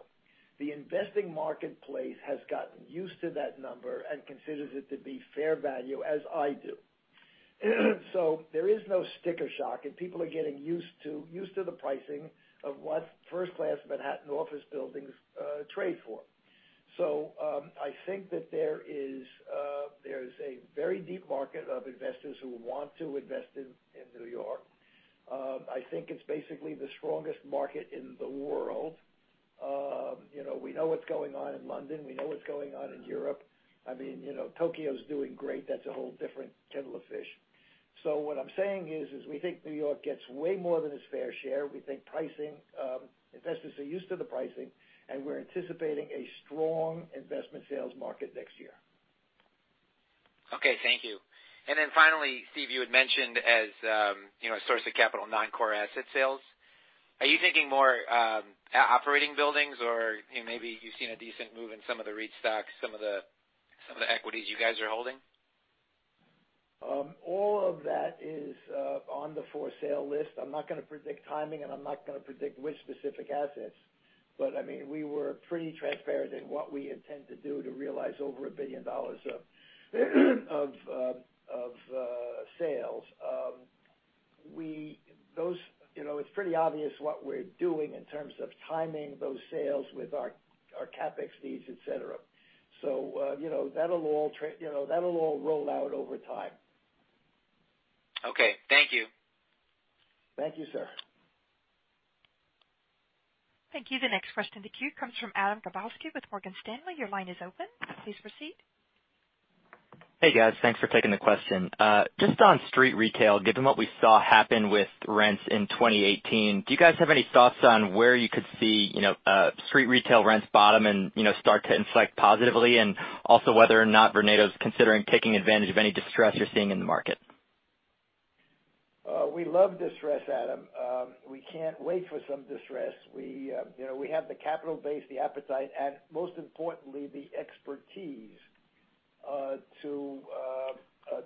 The investing marketplace has gotten used to that number and considers it to be fair value, as I do. There is no sticker shock, and people are getting used to the pricing of what first-class Manhattan office buildings trade for. I think that there is a very deep market of investors who want to invest in New York. I think it's basically the strongest market in the world. We know what's going on in London. We know what's going on in Europe. Tokyo's doing great. That's a whole different kettle of fish. What I'm saying is we think New York gets way more than its fair share. We think investors are used to the pricing, and we're anticipating a strong investment sales market next year. Okay. Thank you. Finally, Steve, you had mentioned as a source of capital, non-core asset sales. Are you thinking more operating buildings, or maybe you've seen a decent move in some of the REIT stocks, some of the equities you guys are holding? All of that is on the for sale list. I'm not going to predict timing, and I'm not going to predict which specific assets. We were pretty transparent in what we intend to do to realize over $1 billion of sales. It's pretty obvious what we're doing in terms of timing those sales with our CapEx needs, et cetera. That'll all roll out over time. Okay. Thank you. Thank you, sir. Thank you. The next question in the queue comes from Adam Gabalski with Morgan Stanley. Your line is open. Please proceed. Hey, guys. Thanks for taking the question. Just on street retail, given what we saw happen with rents in 2018, do you guys have any thoughts on where you could see street retail rents bottom and start to inflect positively? Also, whether or not Vornado's considering taking advantage of any distress you're seeing in the market? We love distress, Adam. We can't wait for some distress. We have the capital base, the appetite, and most importantly, the expertise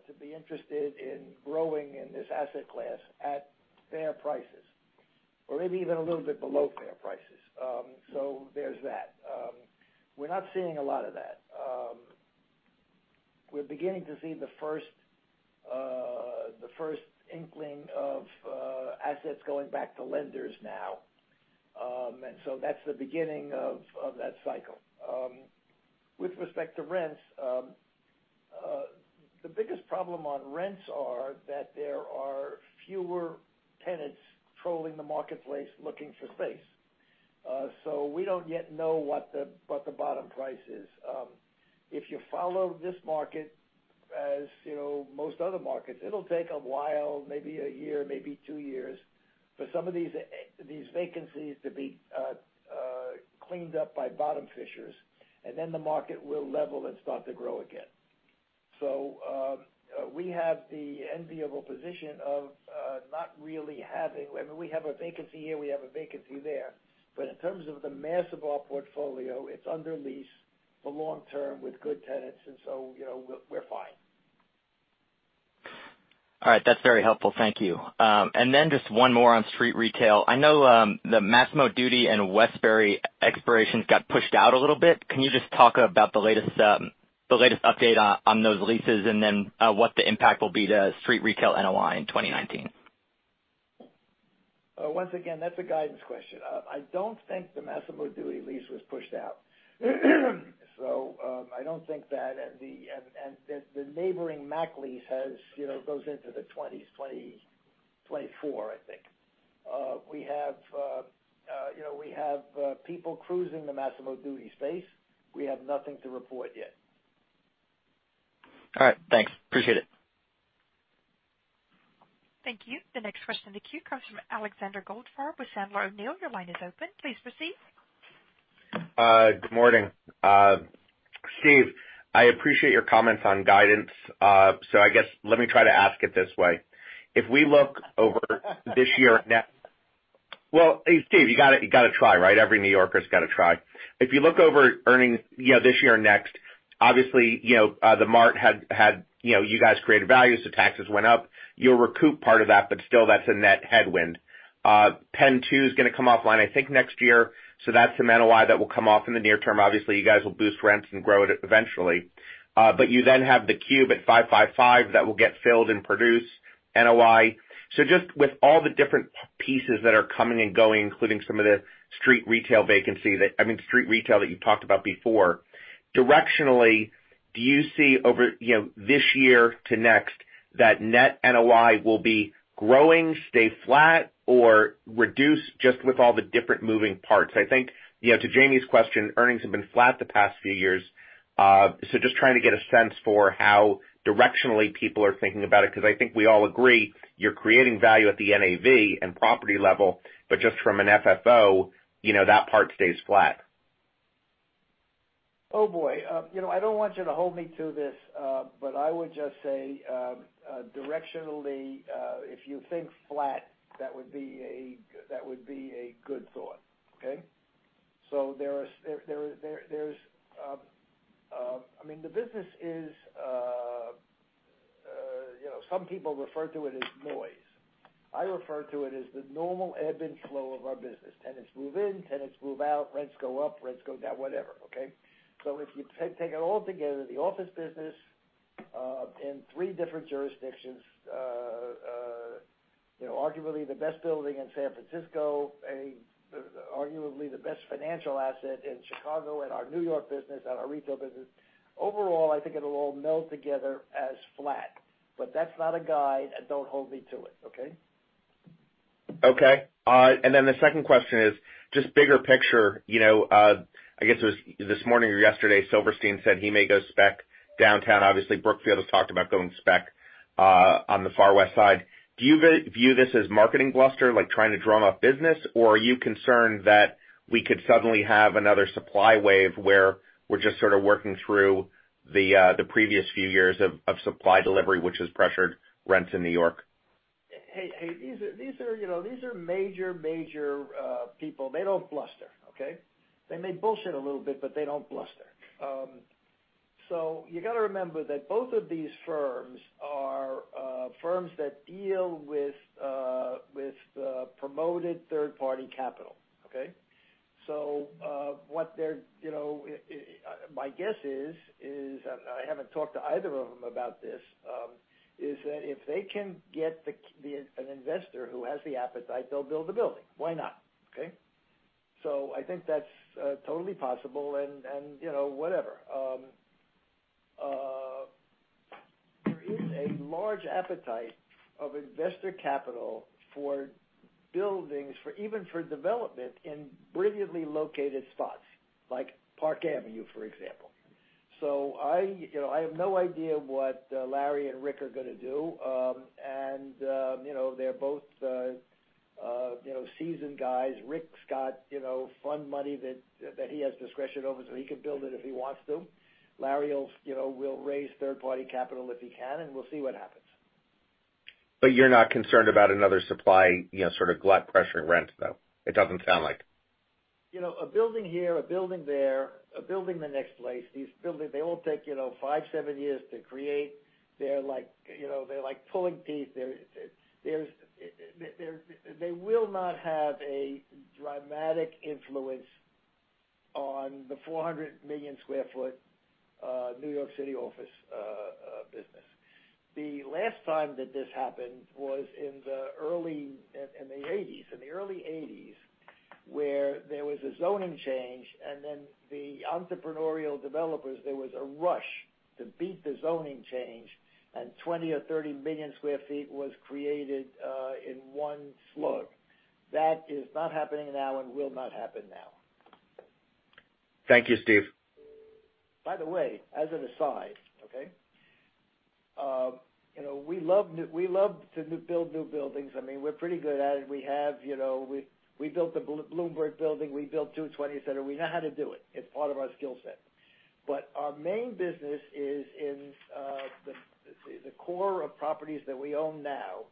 to be interested in growing in this asset class at fair prices. Maybe even a little bit below fair prices. There's that. We're not seeing a lot of that. We're beginning to see the first inkling of assets going back to lenders now. That's the beginning of that cycle. With respect to rents, the biggest problem on rents are that there are fewer tenants trolling the marketplace looking for space. We don't yet know what the bottom price is. If you follow this market as most other markets, it'll take a while, maybe a year, maybe two years, for some of these vacancies to be cleaned up by bottom fishers, and then the market will level and start to grow again. We have the enviable position of not really having I mean, we have a vacancy here, we have a vacancy there. In terms of the mass of our portfolio, it's under lease for long term with good tenants, and so we're fine. All right. That's very helpful. Thank you. Just one more on street retail. I know the Massimo Dutti and Westbury expirations got pushed out a little bit. Can you just talk about the latest update on those leases and then what the impact will be to street retail NOI in 2019? Once again, that's a guidance question. I don't think the Massimo Dutti lease was pushed out. I don't think that, and the neighboring Mack lease goes into the 2020s, 2024, I think. We have people cruising the Massimo Dutti space. We have nothing to report yet. All right, thanks. Appreciate it. Thank you. The next question in the queue comes from Alexander Goldfarb with Sandler O'Neill. Your line is open. Please proceed. Good morning. Steve, I appreciate your comments on guidance. I guess, let me try to ask it this way. If we look over this year- Well, hey, Steve, you got to try, right? Every New Yorker's got to try. If you look over earnings, this year or next, obviously, THE MART had You guys created value, so taxes went up. You'll recoup part of that, but still that's a net headwind. PENN 2 is going to come offline, I think, next year. That's some NOI that will come off in the near term. Obviously, you guys will boost rents and grow it eventually. You then have the Cube at 555 that will get filled and produce NOI. Just with all the different pieces that are coming and going, including some of the street retail vacancy, I mean, street retail that you talked about before. Directionally, do you see over this year to next that net NOI will be growing, stay flat or reduce just with all the different moving parts? I think to Jamie's question, earnings have been flat the past few years, just trying to get a sense for how directionally people are thinking about it, because I think we all agree you're creating value at the NAV and property level, but just from an FFO, that part stays flat. Oh, boy. I don't want you to hold me to this. I would just say, directionally, if you think flat, that would be a good thought. Okay. The business is. Some people refer to it as noise. I refer to it as the normal ebb and flow of our business. Tenants move in, tenants move out, rents go up, rents go down, whatever, okay. If you take it all together, the office business, in three different jurisdictions, arguably the best building in San Francisco, arguably the best financial asset in Chicago and our New York business and our retail business. Overall, I think it'll all meld together as flat. That's not a guide, and don't hold me to it, okay. Okay. The second question is just bigger picture. I guess it was this morning or yesterday, Silverstein said he may go spec downtown. Obviously, Brookfield has talked about going spec on the far West Side. Do you view this as marketing bluster, like trying to drum up business? Are you concerned that we could suddenly have another supply wave where we're just sort of working through the previous few years of supply delivery, which has pressured rents in New York? Hey, these are major people. They don't bluster, okay. They may bullshit a little bit. They don't bluster. You got to remember that both of these firms are firms that deal with promoted third-party capital, okay. My guess is, and I haven't talked to either of them about this, is that if they can get an investor who has the appetite, they'll build the building. Why not, okay. I think that's totally possible, and whatever. There is a large appetite of investor capital for buildings, even for development in brilliantly located spots like Park Avenue, for example. I have no idea what Larry and Rick are going to do. They're both seasoned guys. Rick's got fund money that he has discretion over, so he could build it if he wants to. Larry will raise third-party capital if he can. We'll see what happens. You're not concerned about another supply sort of glut pressuring rent, though? It doesn't sound like. A building here, a building there, a building the next place, these buildings, they all take five, seven years to create. They're like pulling teeth. They will not have a dramatic influence on the 400 million square feet New York City office business. The last time that this happened was in the 1980s, where there was a zoning change, and then the entrepreneurial developers, there was a rush to beat the zoning change, and 20 million or 30 million square feet was created in one slug. That is not happening now and will not happen now. Thank you, Steve. By the way, as an aside, okay? We love to build new buildings. We're pretty good at it. We built the Bloomberg building. We built 220 Center. We know how to do it. It's part of our skill set. Our main business is in the core of properties that we own now.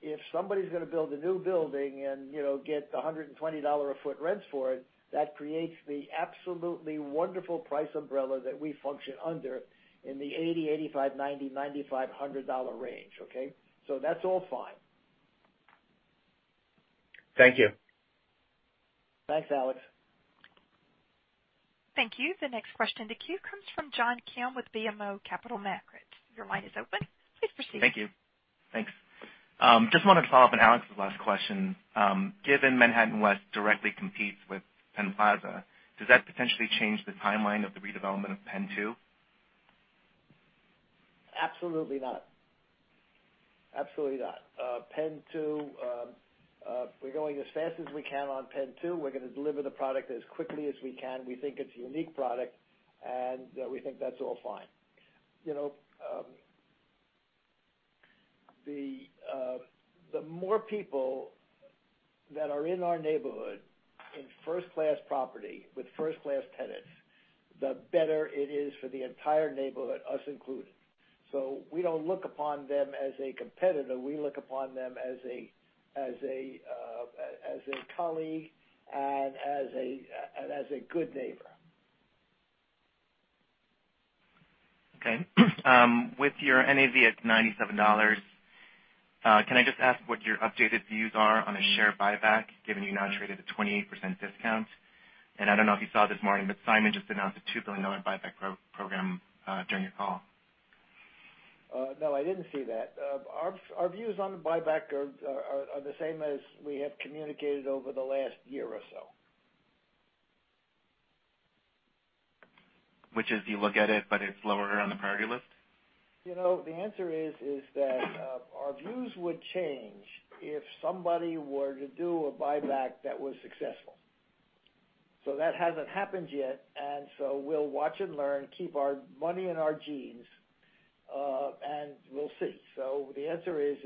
If somebody's going to build a new building and get the $120 a ft rents for it, that creates the absolutely wonderful price umbrella that we function under in the $80, $85, $90, $95, $100 range. Okay? That's all fine. Thank you. Thanks, Alex. Thank you. The next question in the queue comes from John Kim with BMO Capital Markets. Your line is open. Please proceed. Thank you. Thanks. Just wanted to follow up on Alex's last question. Given Manhattan West directly competes with Penn Plaza, does that potentially change the timeline of the redevelopment of PENN 2? Absolutely not. PENN 2, we're going as fast as we can on PENN 2. We're going to deliver the product as quickly as we can. We think it's a unique product, and we think that's all fine. The more people that are in our neighborhood, in first-class property with first-class tenants, the better it is for the entire neighborhood, us included. We don't look upon them as a competitor. We look upon them as a colleague and as a good neighbor. Okay. With your NAV at $97, can I just ask what your updated views are on a share buyback, given you now trade at a 28% discount? I don't know if you saw this morning, but Simon just announced a $2 billion buyback program during your call. No, I didn't see that. Our views on the buyback are the same as we have communicated over the last year or so. Which is, you look at it, but it's lower on the priority list? The answer is that our views would change if somebody were to do a buyback that was successful. That hasn't happened yet, we'll watch and learn, keep our money in our jeans, and we'll see. The answer is,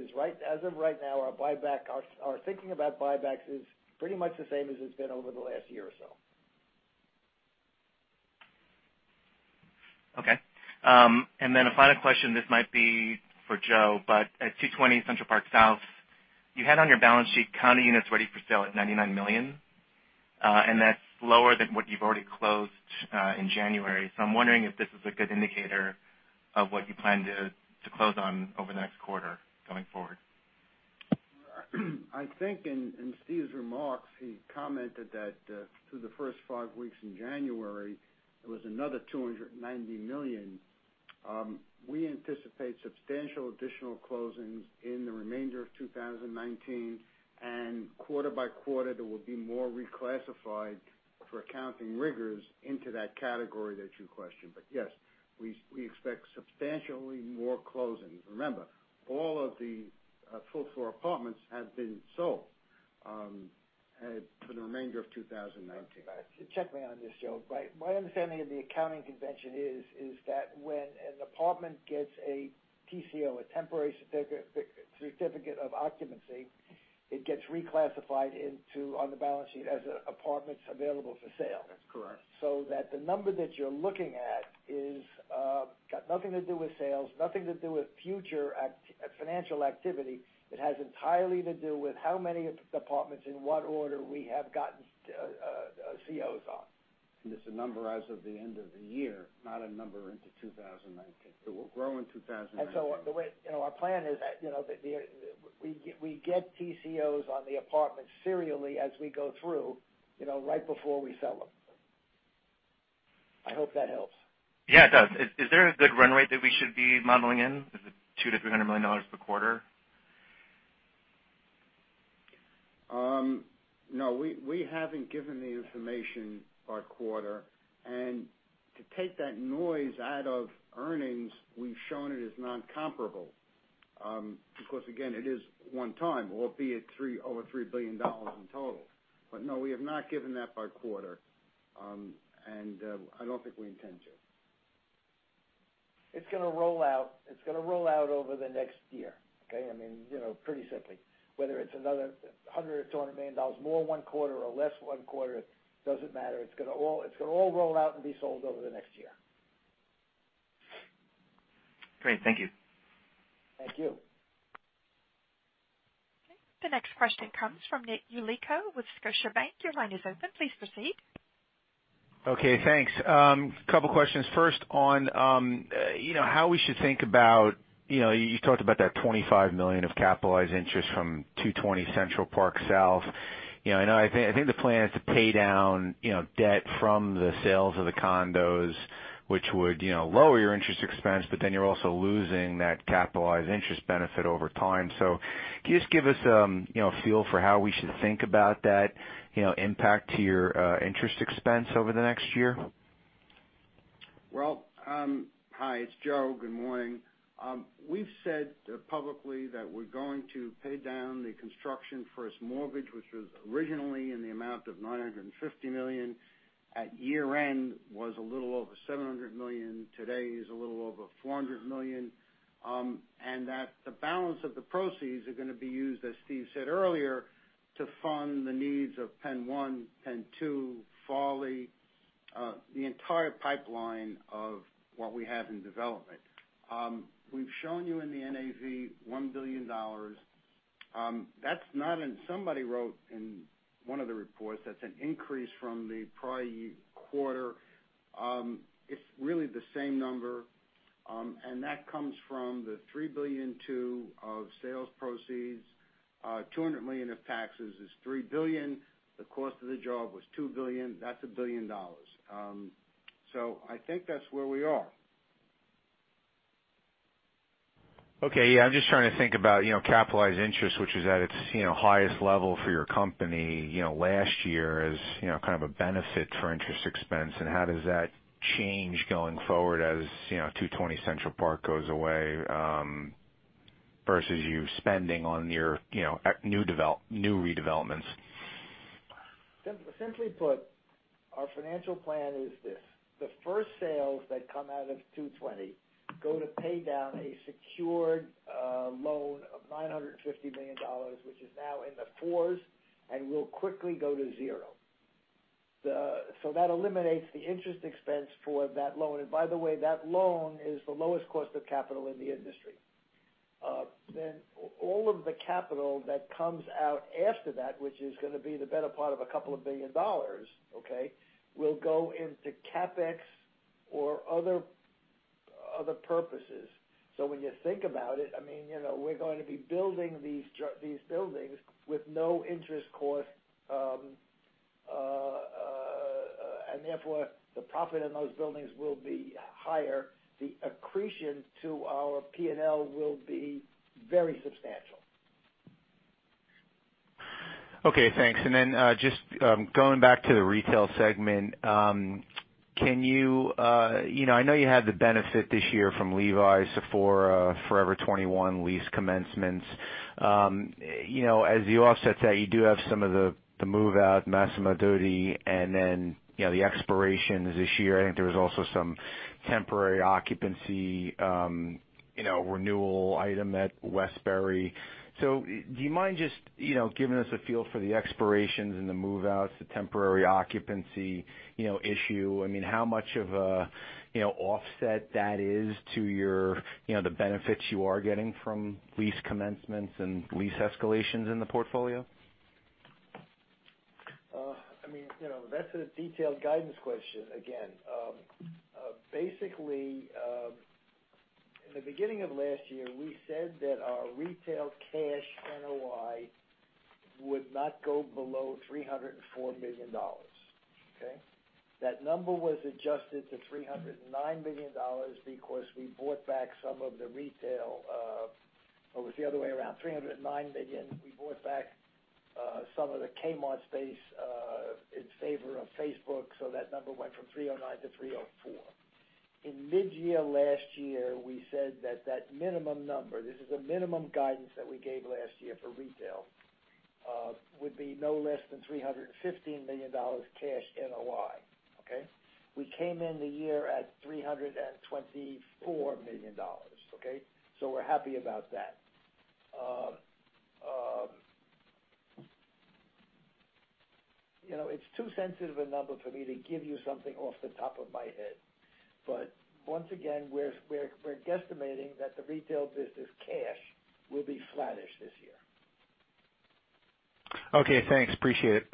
as of right now, our thinking about buybacks is pretty much the same as it's been over the last year or so. Okay. A final question, this might be for Joe, but at 220 Central Park South, you had on your balance sheet condo units ready for sale at $99 million. That's lower than what you've already closed in January. I'm wondering if this is a good indicator of what you plan to close on over the next quarter going forward. I think in Steve's remarks, he commented that through the first five weeks in January, there was another $290 million. We anticipate substantial additional closings in the remainder of 2019, quarter by quarter, there will be more reclassified for accounting rigors into that category that you questioned. Yes, we expect substantially more closings. Remember, all of the full floor apartments have been sold for the remainder of 2019. Check me on this, Joe, my understanding of the accounting convention is that when an apartment gets a TCO, a temporary certificate of occupancy, it gets reclassified on the balance sheet as apartments available for sale. That's correct. That the number that you're looking at has got nothing to do with sales, nothing to do with future financial activity. It has entirely to do with how many of the apartments in what order we have gotten COs on. It's a number as of the end of the year, not a number into 2019. It will grow in 2019. Our plan is that we get TCOs on the apartments serially as we go through right before we sell them. I hope that helps. Yeah, it does. Is there a good run rate that we should be modeling in? Is it $200 million-$300 million per quarter? No, we haven't given the information by quarter. To take that noise out of earnings, we've shown it as non-comparable. Again, it is one time, albeit over $3 billion in total. No, we have not given that by quarter. I don't think we intend to. It's going to roll out over the next year. Okay? Pretty simply. Whether it's another $100 million or $200 million more one quarter or less one quarter, it doesn't matter. It's going to all roll out and be sold over the next year. Great. Thank you. Thank you. Okay. The next question comes from Nick Yulico with Scotiabank. Your line is open. Please proceed. Okay, thanks. Couple of questions. First on how we should think about You talked about that $25 million of capitalized interest from 220 Central Park South. I think the plan is to pay down debt from the sales of the condos, which would lower your interest expense, but then you're also losing that capitalized interest benefit over time. Can you just give us a feel for how we should think about that impact to your interest expense over the next year? Well, hi, it's Joe. Good morning. We've said publicly that we're going to pay down the construction for its mortgage, which was originally in the amount of $950 million at year-end. Was a little over $700 million. Today is a little over $400 million. The balance of the proceeds are going to be used, as Steven said earlier, to fund the needs of PENN 1 and 2, Farley, the entire pipeline of what we have in development. We've shown you in the NAV $1 billion. Somebody wrote in one of the reports that's an increase from the prior quarter. It's really the same number, and that comes from the $3.2 billion of sales proceeds. $600 million of taxes is $3 billion. The cost of the job was $2 billion. That's $1 billion. I think that's where we are. I'm just trying to think about capitalized interest, which is at its highest level for your company, last year as kind of a benefit for interest expense. How does that change going forward as 220 Central Park goes away, versus you spending on your new redevelopments? Simply put, our financial plan is this. The first sales that come out of 220 go to pay down a secured loan of $950 million, which is now in the fours and will quickly go to zero. That eliminates the interest expense for that loan. By the way, that loan is the lowest cost of capital in the industry. All of the capital that comes out after that, which is going to be the better part of a couple of billion dollars, will go into CapEx or other purposes. When you think about it, we're going to be building these buildings with no interest cost. Therefore, the profit on those buildings will be higher. The accretion to our P&L will be very substantial. Thanks. Just going back to the retail segment. I know you had the benefit this year from Levi's, Sephora, Forever 21 lease commencements. As you offset that, you do have some of the move-out, Massimo Dutti, and then the expirations this year. I think there was also some temporary occupancy renewal item at Westbury. Do you mind just giving us a feel for the expirations and the move-outs, the temporary occupancy issue? How much of an offset that is to the benefits you are getting from lease commencements and lease escalations in the portfolio? That's a detailed guidance question again. In the beginning of last year, we said that our retail cash NOI would not go below $304 million. That number was adjusted to $309 million because we bought back some of the retail. It was the other way around, $309 million. We bought back some of the Kmart space in favor of Facebook. That number went from $309 million to $304 million. In mid-year last year, we said that that minimum number, this is a minimum guidance that we gave last year for retail, would be no less than $315 million cash NOI. We came in the year at $324 million. We're happy about that. It's too sensitive a number for me to give you something off the top of my head. Once again, we're guesstimating that the retail business cash will be flattish this year. Thanks. Appreciate it.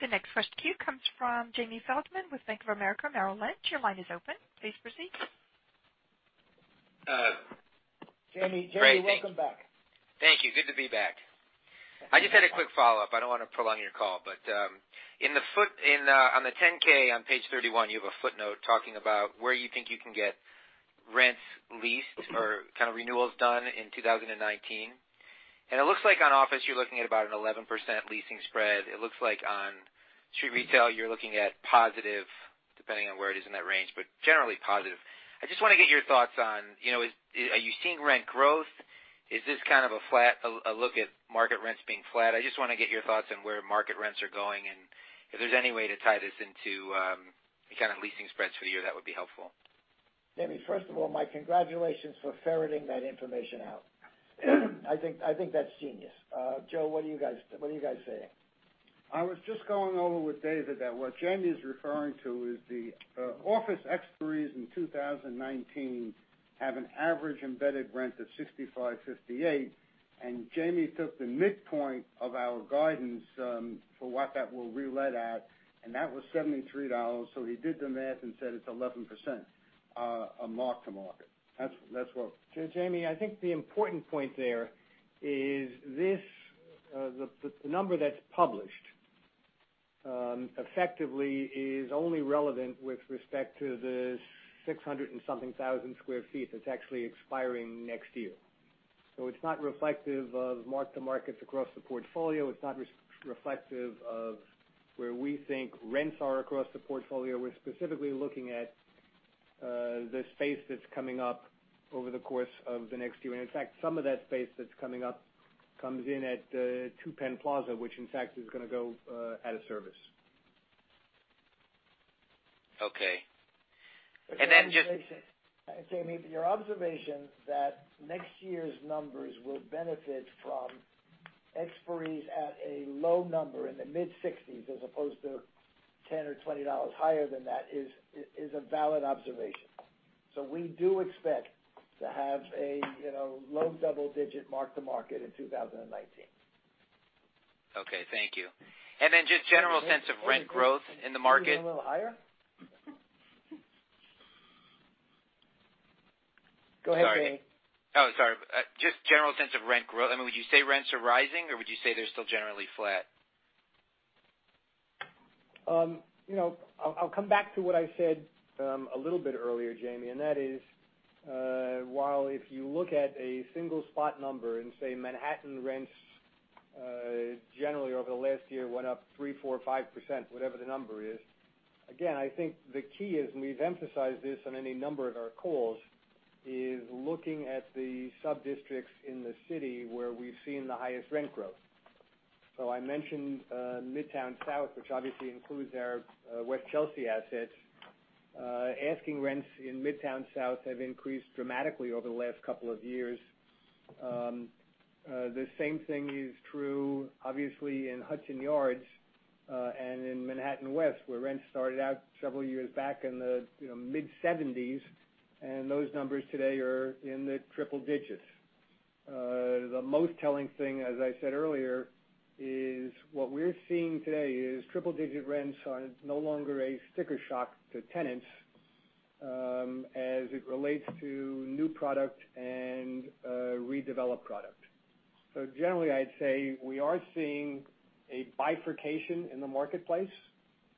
The next question comes from Jamie Feldman with Bank of America Merrill Lynch. Your line is open. Please proceed. Jamie, welcome back. Thank you. Good to be back. I just had a quick follow-up. On the Form 10-K, on page 31, you have a footnote talking about where you think you can get rents leased or renewals done in 2019. It looks like on office, you're looking at about an 11% leasing spread. It looks like on street retail, you're looking at positive, depending on where it is in that range, but generally positive. I just want to get your thoughts on, are you seeing rent growth? Is this kind of a look at market rents being flat? I just want to get your thoughts on where market rents are going, if there's any way to tie this into leasing spreads for the year, that would be helpful. Jamie, first of all, my congratulations for ferreting that information out. I think that's genius. Joe, what are you guys saying? I was just going over with David that what Jamie's referring to is the office expiries in 2019 have an average embedded rent of $65.58. Jamie took the midpoint of our guidance for what that will relet at, and that was $73. He did the math and said it's 11% mark to market. Jamie, I think the important point there is the number that's published, effectively is only relevant with respect to the 600 and something thousand square feet that's actually expiring next year. It's not reflective of mark to markets across the portfolio. It's not reflective of where we think rents are across the portfolio. The space that's coming up over the course of the next year. In fact, some of that space that's coming up comes in PENN 2 plaza, which in fact is going to go out of service. Okay. Jamie, your observation that next year's numbers will benefit from expiries at a low number in the mid-60s, as opposed to $10 or $20 higher than that is a valid observation. We do expect to have a low double digit mark to market in 2019. Okay, thank you. General sense of rent growth in the market. Even a little higher? Go ahead, Jamie. Oh, sorry. Just general sense of rent growth. Would you say rents are rising, or would you say they're still generally flat? I'll come back to what I said a little bit earlier, Jamie, that is, while if you look at a single spot number and say Manhattan rents generally over the last year went up 3%, 4%, 5%, whatever the number is. Again, I think the key is, we've emphasized this on any number of our calls, is looking at the sub-districts in the city where we've seen the highest rent growth. I mentioned Midtown South, which obviously includes our West Chelsea assets. Asking rents in Midtown South have increased dramatically over the last couple of years. The same thing is true, obviously, in Hudson Yards, and in Manhattan West, where rents started out several years back in the mid-$70s, and those numbers today are in the triple digits. The most telling thing, as I said earlier, is what we're seeing today is triple digit rents are no longer a sticker shock to tenants, as it relates to new product and redeveloped product. Generally, I'd say we are seeing a bifurcation in the marketplace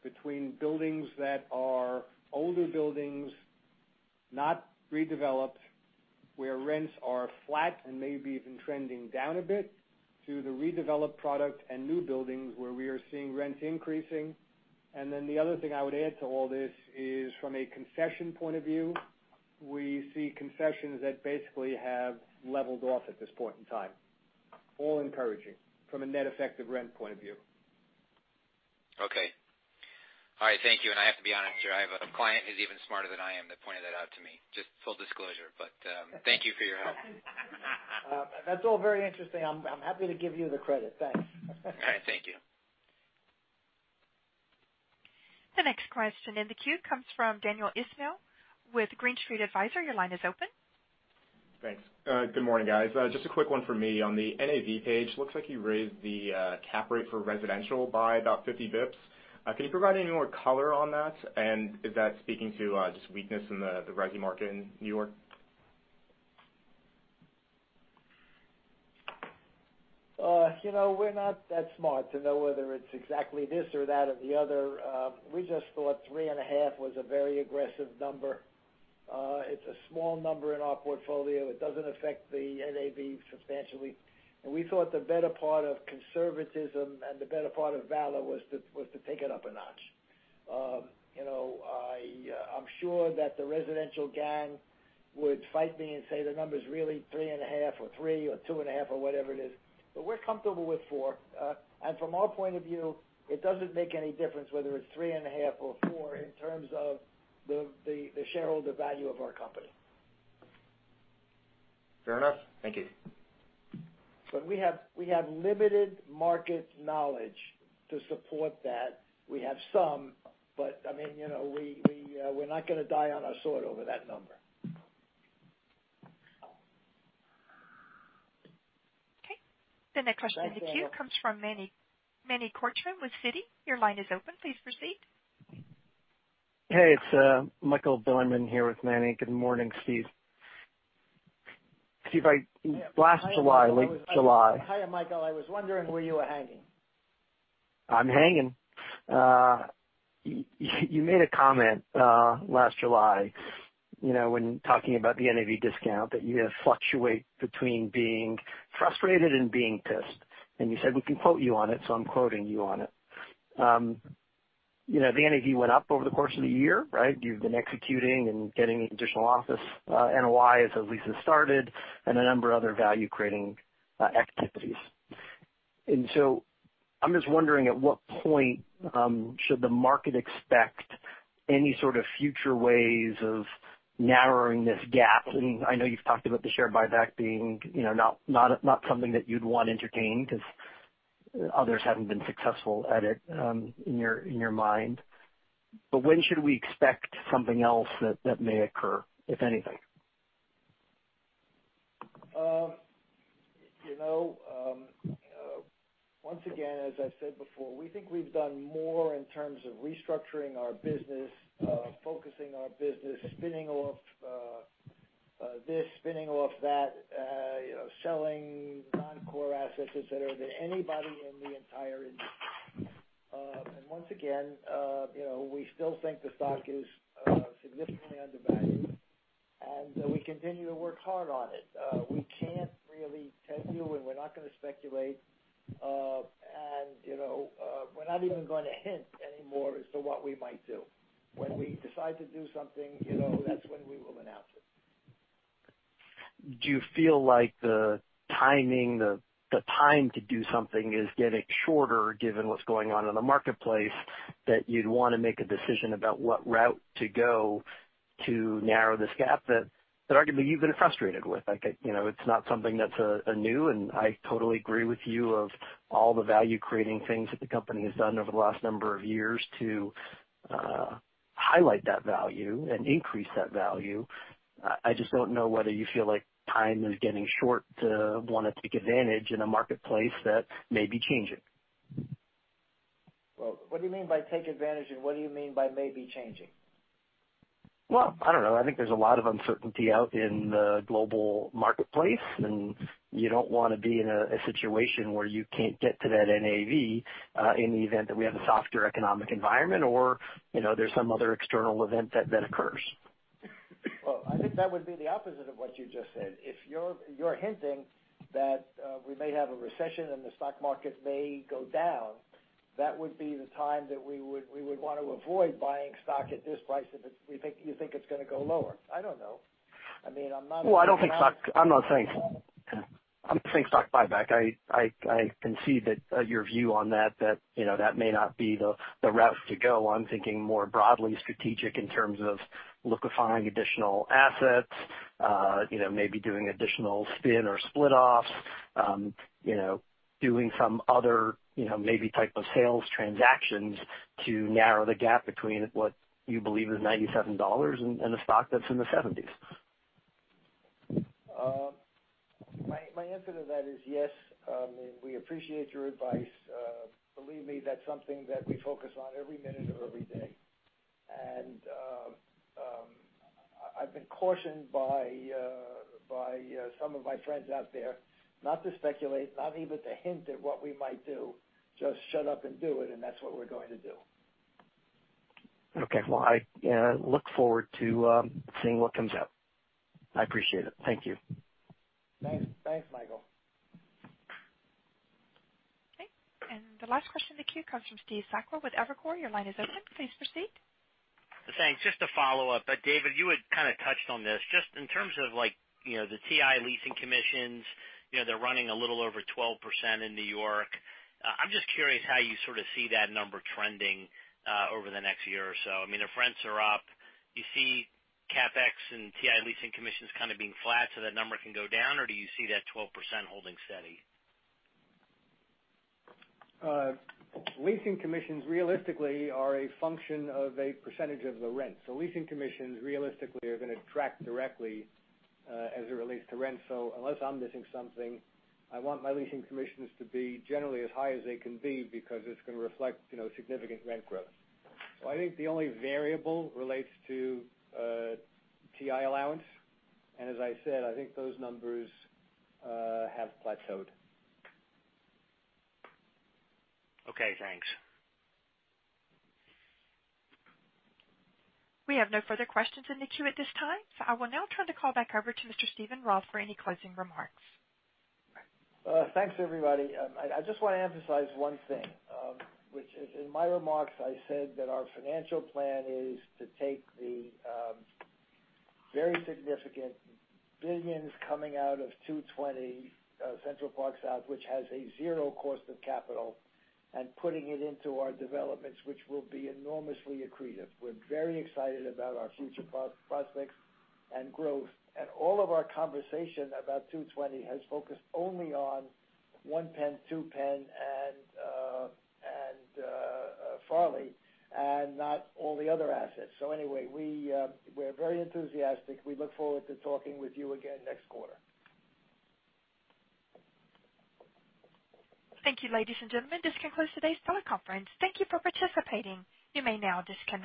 between buildings that are older buildings, not redeveloped, where rents are flat and maybe even trending down a bit, to the redeveloped product and new buildings where we are seeing rents increasing. Then the other thing I would add to all this is, from a concession point of view, we see concessions that basically have leveled off at this point in time. All encouraging from a net effective rent point of view. Okay. All right, thank you. I have to be honest here, I have a client who's even smarter than I am that pointed that out to me, just full disclosure. Thank you for your help. That's all very interesting. I'm happy to give you the credit. Thanks. All right. Thank you. The next question in the queue comes from Daniel Ismail with Green Street Advisors. Your line is open. Thanks. Good morning, guys. Just a quick one for me. On the NAV page, looks like you raised the cap rate for residential by about 50 basis points. Can you provide any more color on that? Is that speaking to just weakness in the resi market in New York? We're not that smart to know whether it's exactly this or that or the other. We just thought three and a half was a very aggressive number. It's a small number in our portfolio. It doesn't affect the NAV substantially. We thought the better part of conservatism and the better part of valor was to take it up a notch. I'm sure that the residential gang would fight me and say the number's really 3.5, or three, or 2.5, or whatever it is. We're comfortable with four. From our point of view, it doesn't make any difference whether it's three and a half or four in terms of the shareholder value of our company. Fair enough. Thank you. We have limited market knowledge to support that. We have some, but we're not going to die on our sword over that number. Okay, the next question in the queue comes from Manny Korchman with Citi. Your line is open. Please proceed. Hey, it's Michael Bilerman here with Manny. Good morning, Steve. Last July- Hi, Michael. I was wondering where you were hanging. I'm hanging. You made a comment last July, when talking about the NAV discount, that you fluctuate between being frustrated and being pissed, and you said we could quote you on it, so I'm quoting you on it. The NAV went up over the course of the year, right? You've been executing and getting additional office, NOI have at least have started, and a number of other value-creating activities. I'm just wondering at what point should the market expect any sort of future ways of narrowing this gap? I know you've talked about the share buyback being not something that you'd want entertained because others haven't been successful at it in your mind. When should we expect something else that may occur, if anything? Once again, as I've said before, we think we've done more in terms of restructuring our business, focusing our business, spinning off this, spinning off that, selling non-core assets, et cetera, than anybody in the entire industry. Once again, we still think the stock is significantly undervalued. We continue to work hard on it. We can't really tell you. We're not going to speculate. We're not even going to hint anymore as to what we might do. When we decide to do something, that's when we will announce it. Do you feel like the timing, the time to do something is getting shorter given what's going on in the marketplace, that you'd want to make a decision about what route to go to narrow this gap that arguably you've been frustrated with? It's not something that's new. I totally agree with you of all the value-creating things that the company has done over the last number of years to highlight that value and increase that value. I just don't know whether you feel like time is getting short to want to take advantage in a marketplace that may be changing. Well, what do you mean by take advantage? What do you mean by maybe changing? Well, I don't know. I think there's a lot of uncertainty out in the global marketplace, and you don't want to be in a situation where you can't get to that NAV in the event that we have a softer economic environment or there's some other external event that occurs. Well, I think that would be the opposite of what you just said. If you're hinting that we may have a recession and the stock market may go down, that would be the time that we would want to avoid buying stock at this price if you think it's going to go lower. I don't know. I mean. Well, I'm not saying stock buyback. I concede that your view on that may not be the route to go. I'm thinking more broadly strategic in terms of liquefying additional assets, maybe doing additional spin or split offs, doing some other maybe type of sales transactions to narrow the gap between what you believe is $97 and the stock that's in the 70s. My answer to that is yes. We appreciate your advice. Believe me, that's something that we focus on every minute of every day. I've been cautioned by some of my friends out there not to speculate, not even to hint at what we might do, just shut up and do it, and that's what we're going to do. Okay. Well, I look forward to seeing what comes out. I appreciate it. Thank you. Thanks, Michael. Okay. The last question in the queue comes from Steve Sakwa with Evercore. Your line is open. Please proceed. Thanks. Just to follow up, David, you had kind of touched on this, just in terms of the TI leasing commissions, they're running a little over 12% in New York. I'm just curious how you sort of see that number trending over the next year or so. I mean, the rents are up. Do you see CapEx and TI leasing commissions kind of being flat so that number can go down, or do you see that 12% holding steady? Leasing commissions realistically are a function of a percentage of the rent. Leasing commissions realistically are going to track directly as it relates to rent. Unless I'm missing something, I want my leasing commissions to be generally as high as they can be because it's going to reflect significant rent growth. I think the only variable relates to TI allowance, and as I said, I think those numbers have plateaued. Okay, thanks. We have no further questions in the queue at this time. I will now turn the call back over to Mr. Steven Roth for any closing remarks. Thanks, everybody. I just want to emphasize one thing, which is in my remarks, I said that our financial plan is to take the very significant billions coming out of 220 Central Park South, which has a zero cost of capital, and putting it into our developments, which will be enormously accretive. We're very excited about our future prospects and growth. All of our conversation about 220 has focused only on PENN 1, PENN 2, and Farley, and not all the other assets. Anyway, we're very enthusiastic. We look forward to talking with you again next quarter. Thank you, ladies and gentlemen. This concludes today's teleconference. Thank you for participating. You may now disconnect.